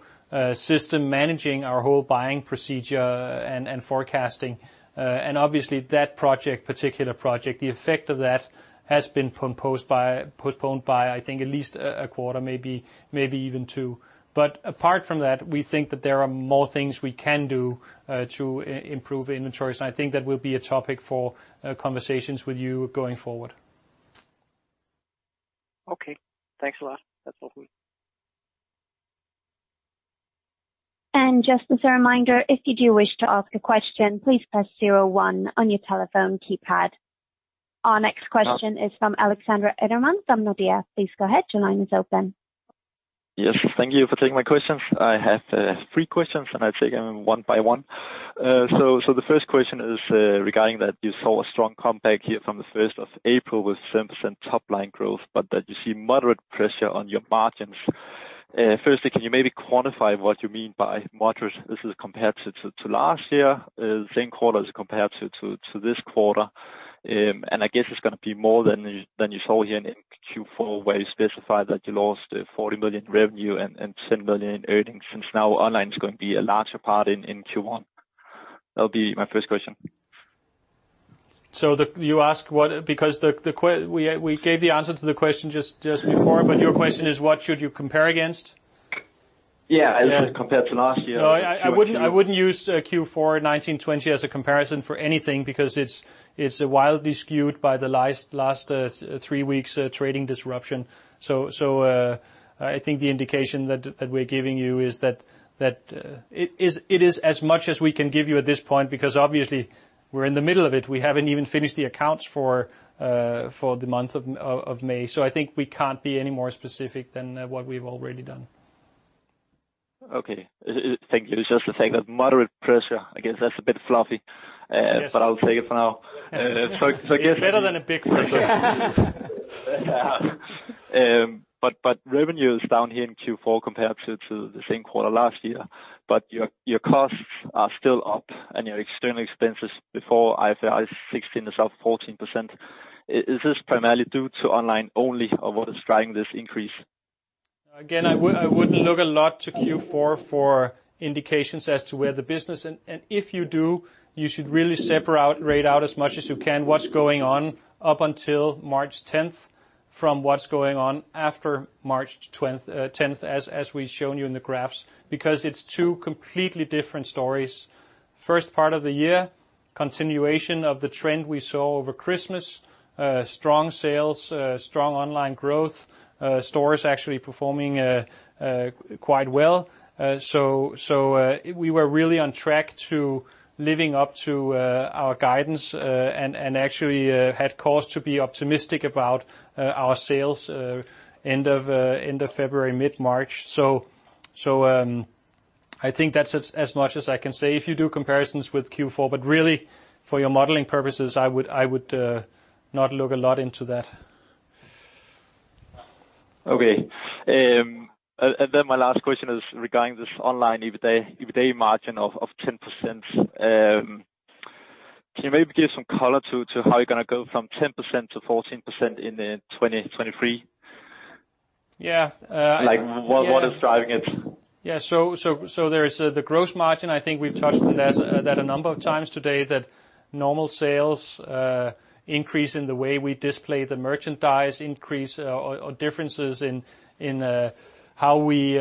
system, managing our whole buying procedure and forecasting. Obviously that particular project, the effect of that has been postponed by, I think, at least a quarter, maybe even two. Apart from that, we think that there are more things we can do to improve inventories, and I think that will be a topic for conversations with you going forward. Okay. Thanks a lot. That's all for me. Just as a reminder, if you do wish to ask a question, please press zero one on your telephone keypad. Our next question is from Aleksander Edemann from Nordea. Please go ahead. Your line is open. Yes. Thank you for taking my questions. I have three questions, and I'll take them one by one. The first question is regarding that you saw a strong comeback here from the April 1st with 7% top-line growth, but that you see moderate pressure on your margins. Firstly, can you maybe quantify what you mean by moderate? This is compared to last year, same quarter as compared to this quarter. I guess it's going to be more than you saw here in Q4 where you specified that you lost 40 million in revenue and 10 million in earnings since now online is going to be a larger part in Q1. That'll be my first question. You asked what Because we gave the answer to the question just before, but your question is what should you compare against? Yeah. As compared to last year. No, I wouldn't use Q4 2019-2020 as a comparison for anything because it's wildly skewed by the last three weeks trading disruption. I think the indication that we're giving you is that it is as much as we can give you at this point, because obviously we're in the middle of it. We haven't even finished the accounts for the month of May. I think we can't be any more specific than what we've already done. Okay. Thank you. It's just the thing, that moderate pressure, I guess that's a bit fluffy. I'll take it for now. It's better than a big question. Yeah. Revenue is down here in Q4 compared to the same quarter last year, but your costs are still up and your external expenses before IFRS 16 is up 14%. Is this primarily due to online only, or what is driving this increase? I wouldn't look a lot to Q4 for indications as to where the business, and if you do, you should really separate out as much as you can what's going on up until March 10th from what's going on after March 10th, as we've shown you in the graphs, because it's two completely different stories. First part of the year, continuation of the trend we saw over Christmas. Strong sales, strong online growth. Stores actually performing quite well. We were really on track to living up to our guidance, and actually had cause to be optimistic about our sales end of February, mid-March. I think that's as much as I can say. If you do comparisons with Q4, but really for your modeling purposes, I would not look a lot into that. Okay. My last question is regarding this online everyday margin of 10%. Can you maybe give some color to how you're going to go from 10% to 14% in the 2023? Yeah. What is driving it? Yeah. There's the gross margin. I think we've touched on that a number of times today, that normal sales increase in the way we display the merchandise, increase or differences in how we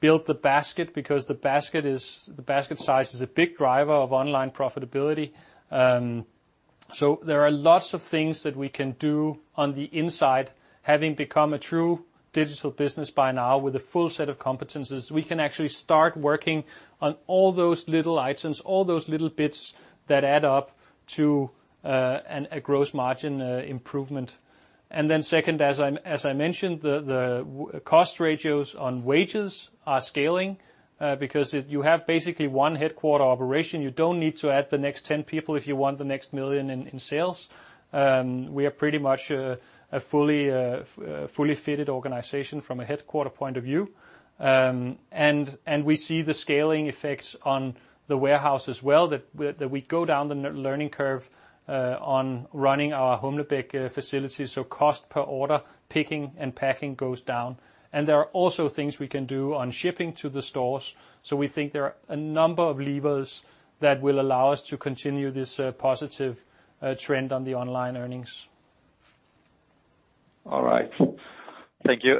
build the basket because the basket size is a big driver of online profitability. There are lots of things that we can do on the inside, having become a true digital business by now with a full set of competencies. We can actually start working on all those little items, all those little bits that add up to a gross margin improvement. Second, as I mentioned, the cost ratios on wages are scaling because you have basically one headquarter operation. You don't need to add the next 10 people if you want the next million in sales. We are pretty much a fully fitted organization from a headquarter point of view. We see the scaling effects on the warehouse as well, that we go down the learning curve on running our Humlebæk facility, cost per order, picking and packing goes down. There are also things we can do on shipping to the stores. We think there are a number of levers that will allow us to continue this positive trend on the online earnings. All right. Thank you.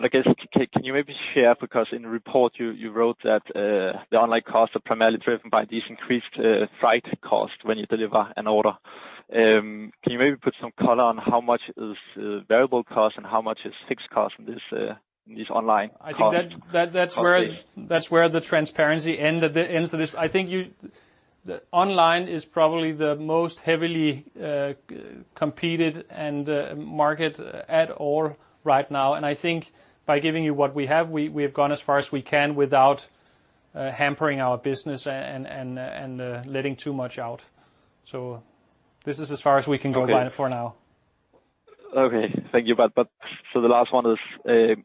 I guess, can you maybe share, because in the report you wrote that the online costs are primarily driven by these increased freight costs when you deliver an order. Can you maybe put some color on how much is variable cost and how much is fixed cost in these online costs? I think that's where the transparency ends. I think online is probably the most heavily competed market at all right now. I think by giving you what we have, we have gone as far as we can without hampering our business and letting too much out. This is as far as we can go online for now. Okay. Thank you. The last one is,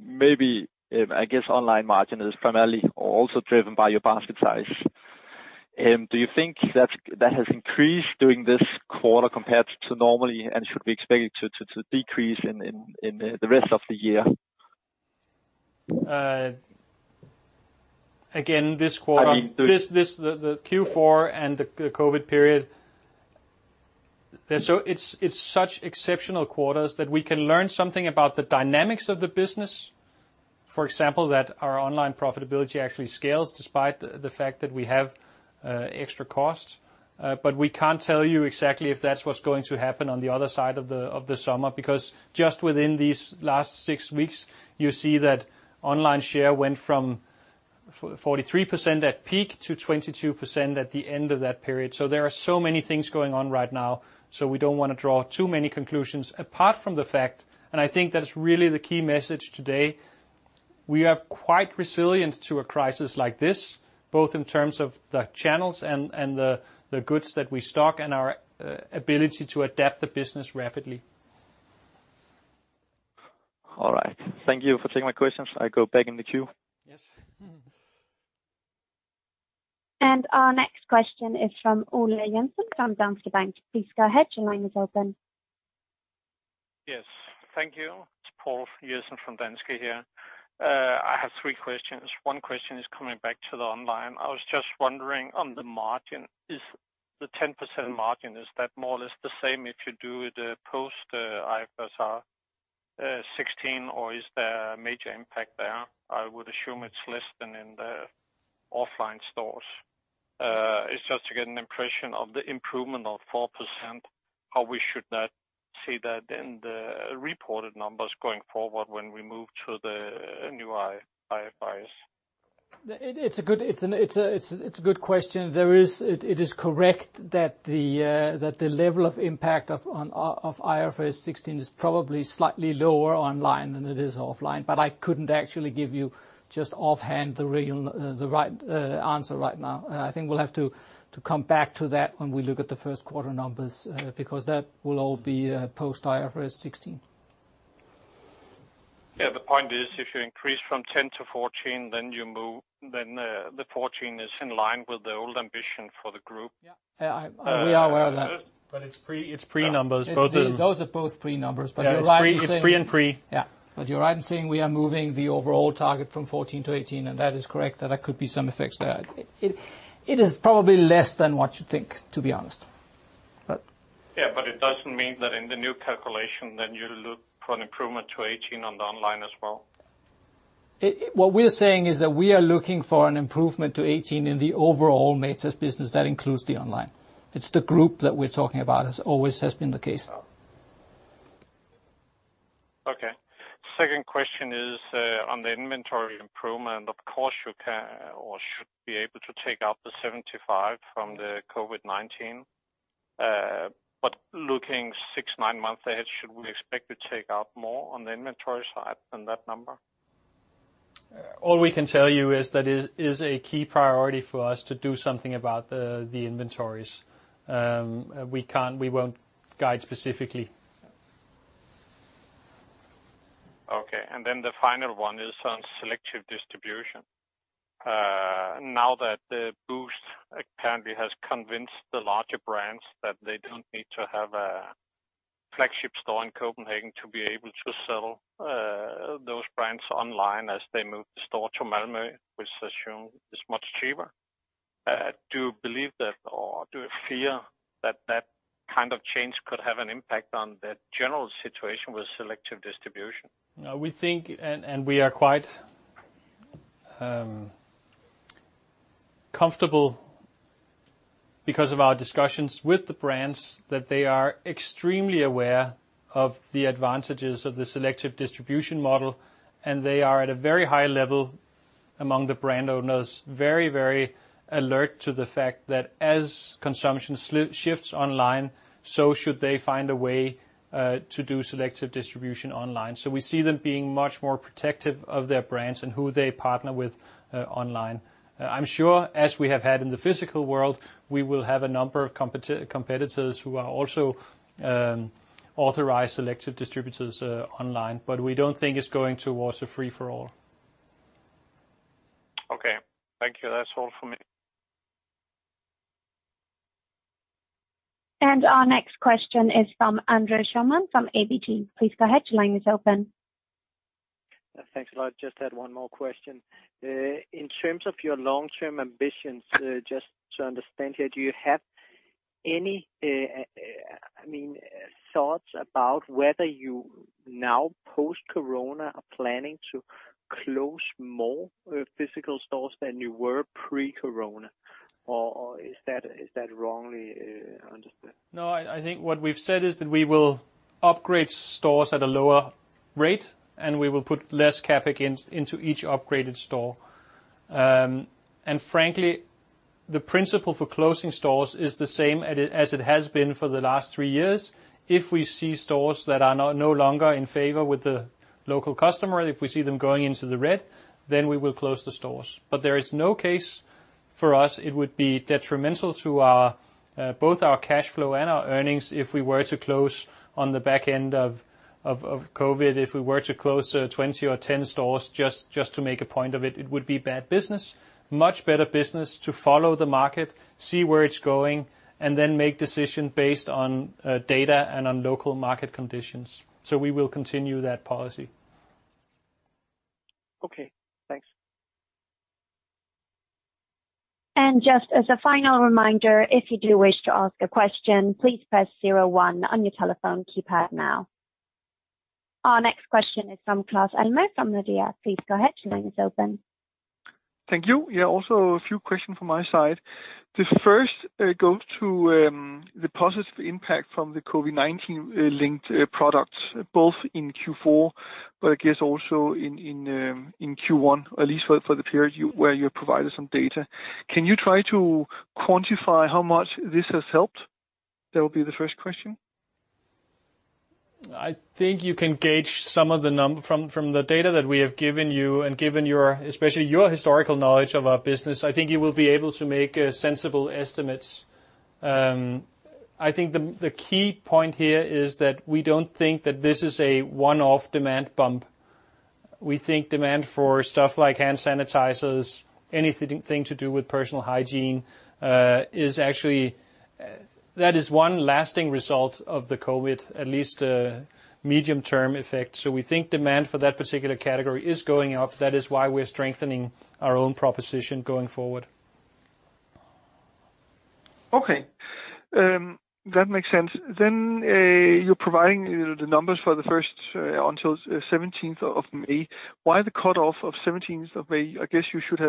maybe, I guess online margin is primarily also driven by your basket size. Do you think that has increased during this quarter compared to normally and should be expected to decrease in the rest of the year? Again, this quarter. I mean. The Q4 and the COVID-19 period, it's such exceptional quarters that we can learn something about the dynamics of the business. For example, that our online profitability actually scales despite the fact that we have extra costs. We can't tell you exactly if that's what's going to happen on the other side of the summer, because just within these last six weeks, you see that online share went from 43% at peak to 22% at the end of that period. There are so many things going on right now, so we don't want to draw too many conclusions apart from the fact, and I think that is really the key message today, we are quite resilient to a crisis like this, both in terms of the channels and the goods that we stock and our ability to adapt the business rapidly. All right. Thank you for taking my questions. I go back in the queue. Yes. Our next question is from Poul Jessen from Danske Bank. Please go ahead. Your line is open. Yes. Thank you. It is Poul Jessen from Danske here. I have three questions. One question is coming back to the online. I was just wondering on the margin, the 10% margin, is that more or less the same if you do the post IFRS 16 or is there a major impact there? I would assume it is less than in the offline stores. It is just to get an impression of the improvement of 4%, how we should now see that in the reported numbers going forward when we move to the new IFRS. It's a good question. It is correct that the level of impact of IFRS 16 is probably slightly lower online than it is offline, but I couldn't actually give you just offhand the right answer right now. I think we'll have to come back to that when we look at the first quarter numbers, because that will all be post-IFRS 16. Yeah. The point is, if you increase from 10 to 14, then the 14 is in line with the old ambition for the group. Yeah. We are aware of that. It's pre-numbers, both of them. Those are both pre-numbers. You're right in saying. It's pre and pre. Yeah. You're right in saying we are moving the overall target from 14 to 18, and that is correct, that there could be some effects there. It is probably less than what you think, to be honest. Yeah, it doesn't mean that in the new calculation, then you look for an improvement to 18 on the online as well? What we're saying is that we are looking for an improvement to 18% in the overall Matas business. That includes the online. It's the group that we're talking about, as always has been the case. Okay. Second question is on the inventory improvement. Of course, you can or should be able to take out the 75 million from the COVID-19. Looking six, nine months ahead, should we expect to take out more on the inventory side than that number? All we can tell you is that it is a key priority for us to do something about the inventories. We won't guide specifically. Okay. The final one is on selective distribution. Now that the DFS apparently has convinced the larger brands that they don't need to have a flagship store in Copenhagen to be able to sell those brands online as they move the store to Malmö, which I assume is much cheaper. Do you believe that or do you fear that that kind of change could have an impact on the general situation with selective distribution? We think we are quite comfortable because of our discussions with the brands, that they are extremely aware of the advantages of the selective distribution model. They are at a very high level among the brand owners, very alert to the fact that as consumption shifts online, should they find a way to do selective distribution online. We see them being much more protective of their brands and who they partner with online. I'm sure as we have had in the physical world, we will have a number of competitors who are also authorized selective distributors online. We don't think it's going towards a free-for-all. Okay. Thank you. That's all for me. Our next question is from André Thormann from ABG. Please go ahead. Your line is open. Thanks a lot. Just had one more question. In terms of your long-term ambitions, just to understand here, do you have any thoughts about whether you now post-COVID-19 are planning to close more physical stores than you were pre-COVID-19, or is that wrongly understood? No, I think what we've said is that we will upgrade stores at a lower rate, and we will put less CapEx into each upgraded store. Frankly, the principle for closing stores is the same as it has been for the last three years. If we see stores that are no longer in favor with the local customer, if we see them going into the red, then we will close the stores. There is no case for us, it would be detrimental to both our cash flow and our earnings if we were to close on the back end of COVID-19, if we were to close 20 or 10 stores just to make a point of it. It would be bad business. Much better business to follow the market, see where it's going, and then make decision based on data and on local market conditions. We will continue that policy. Okay, thanks. Just as a final reminder, if you do wish to ask a question, please press zero one on your telephone keypad now. Our next question is from Claus Almer from Nordea. Please go ahead. Your line is open. Thank you. Yeah, also a few questions from my side. The first goes to the positive impact from the COVID-19-linked products, both in Q4, but I guess also in Q1, at least for the period where you provided some data. Can you try to quantify how much this has helped? That would be the first question. I think you can gauge some of the number from the data that we have given you and given especially your historical knowledge of our business. I think you will be able to make sensible estimates. I think the key point here is that we don't think that this is a one-off demand bump. We think demand for stuff like hand sanitizers, anything to do with personal hygiene, that is one lasting result of the COVID-19, at least a medium-term effect. We think demand for that particular category is going up. That is why we're strengthening our own proposition going forward. Okay. That makes sense. You're providing the numbers for the first until May 17th. Why the cutoff of May 17th? I guess you should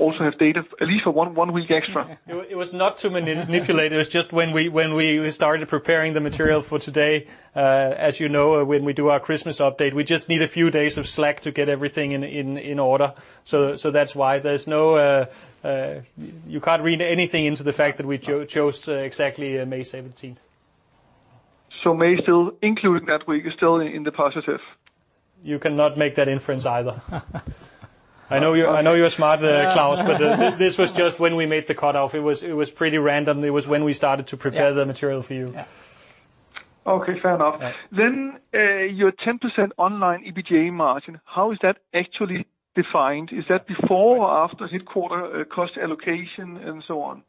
also have data at least for one week extra. It was not to manipulate. It was just when we started preparing the material for today. As you know, when we do our Christmas update, we just need a few days of slack to get everything in order. That's why. You can't read anything into the fact that we chose exactly May 17th. May, including that week, is still in the positive? You cannot make that inference either. I know you're smart, Claus, but this was just when we made the cutoff. It was pretty random. It was when we started to prepare the material for you. Yeah. Okay, fair enough. Yeah. Your 10% online EBITDA margin, how is that actually defined? Is that before or after headquarter cost allocation and so on?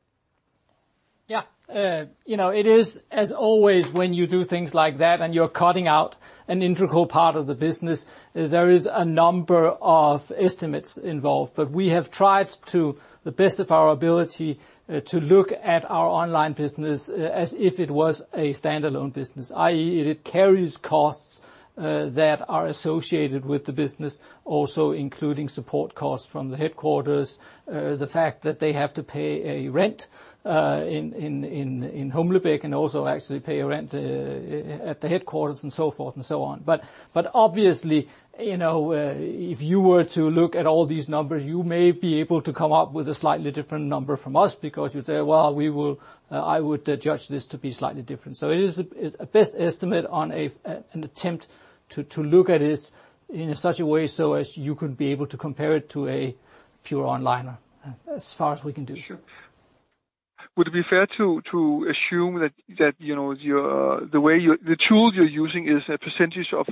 Yeah. It is as always when you do things like that and you're cutting out an integral part of the business, there is a number of estimates involved. We have tried to the best of our ability to look at our online business as if it was a standalone business, i.e., it carries costs that are associated with the business also including support costs from the headquarters. The fact that they have to pay a rent in Humlebæk, and also actually pay a rent at the headquarters and so forth and so on. Obviously, if you were to look at all these numbers, you may be able to come up with a slightly different number from us because you'd say, "Well, I would judge this to be slightly different." It is a best estimate on an attempt to look at it in such a way so as you can be able to compare it to a pure onliner as far as we can do. Sure. Would it be fair to assume that the tools you're using is a percentage of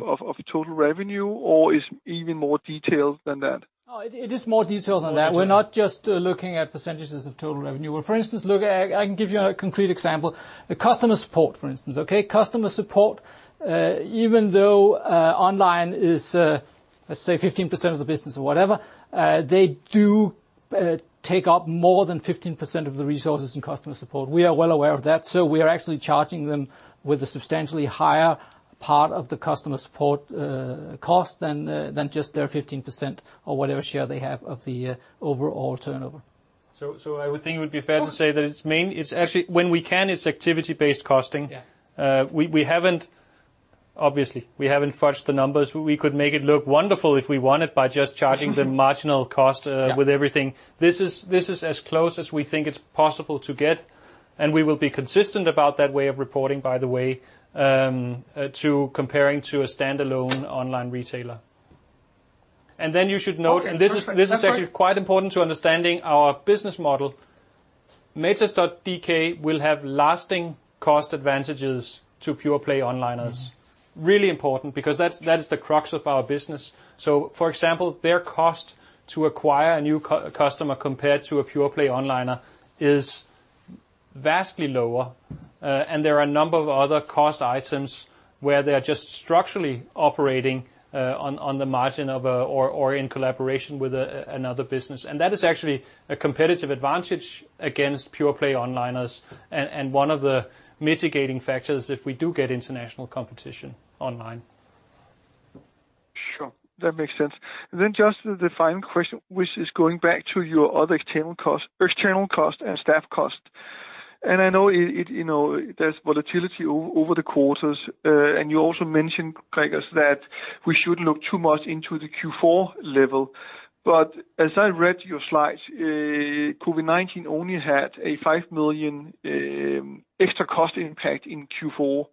total revenue or is even more detailed than that? Oh, it is more detailed than that. We are not just looking at percentages of total revenue. For instance, look, I can give you a concrete example. Customer support, for instance. Okay. Customer support, even though online is, let's say 15% of the business or whatever, they do take up more than 15% of the resources in customer support. We are well aware of that. We are actually charging them with a substantially higher part of the customer support cost than just their 15% or whatever share they have of the overall turnover. I would think it would be fair to say that when we can, it's activity-based costing. Yeah. Obviously, we haven't fudged the numbers. We could make it look wonderful if we wanted. Yeah with everything. This is as close as we think it's possible to get, and we will be consistent about that way of reporting, by the way, to comparing to a standalone online retailer. You should note. Okay. This is actually quite important to understanding our business model. matas.dk will have lasting cost advantages to pure-play onliners. Really important because that is the crux of our business. For example, their cost to acquire a new customer compared to a pure-play onliner is vastly lower. There are a number of other cost items where they're just structurally operating on the margin of, or in collaboration with another business. That is actually a competitive advantage against pure-play onliners and one of the mitigating factors if we do get international competition online. Sure. That makes sense. Just the final question, which is going back to your other external cost and staff cost. I know there's volatility over the quarters, and you also mentioned, Gregers, that we shouldn't look too much into the Q4 level. As I read your slides, COVID-19 only had a 5 million extra cost impact in Q4.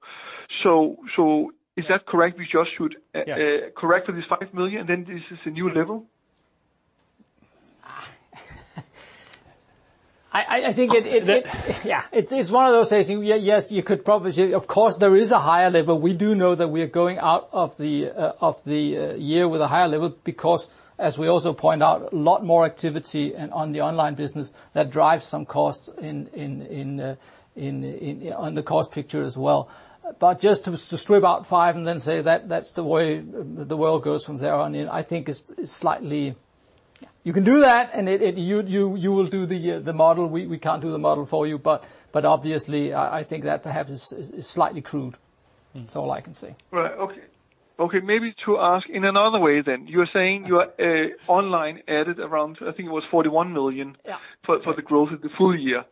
Is that correct? We just should. Yeah correct to this 5 million, then this is a new level? It's one of those things. Yes, you could probably say, of course, there is a higher level. We do know that we are going out of the year with a higher level because as we also point out, a lot more activity and on the online business that drives some costs on the cost picture as well. Just to strip out five and then say that's the way the world goes from there on in, I think is slightly Yeah. You can do that, and you will do the model. We can't do the model for you, but obviously, I think that perhaps is slightly crude. It's all I can say. Right. Okay. Maybe to ask in another way then. You're saying your online added around, I think it was 41 million? Yeah for the growth of the full year.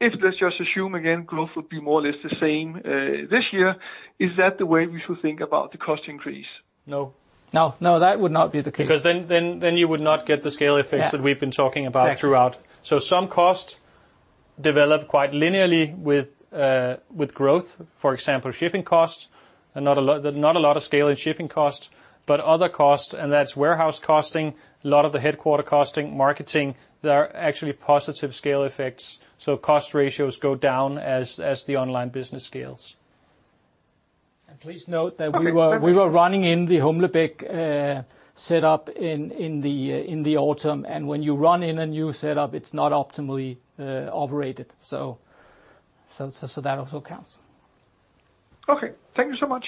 Let's just assume again growth would be more or less the same this year. Is that the way we should think about the cost increase? No. No. No, that would not be the case. You would not get the scale effects. Yeah that we've been talking about throughout. Exactly. Some costs develop quite linearly with growth. For example, shipping costs. Not a lot of scale in shipping costs, but other costs, and that's warehouse costing, a lot of the headquarter costing, marketing, there are actually positive scale effects. Cost ratios go down as the online business scales. And please note that we were- Okay. Fair enough. We were running in the Humlebæk setup in the autumn. When you run in a new setup, it's not optimally operated. That also counts. Okay. Thank you so much.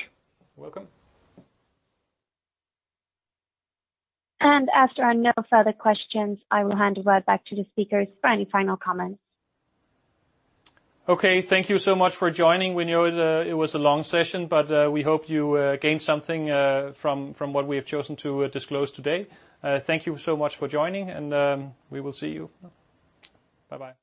You're welcome. After are no further questions, I will hand it right back to the speakers for any final comments. Thank you so much for joining. We know it was a long session, but we hope you gained something from what we have chosen to disclose today. Thank you so much for joining and we will see you. Bye-bye.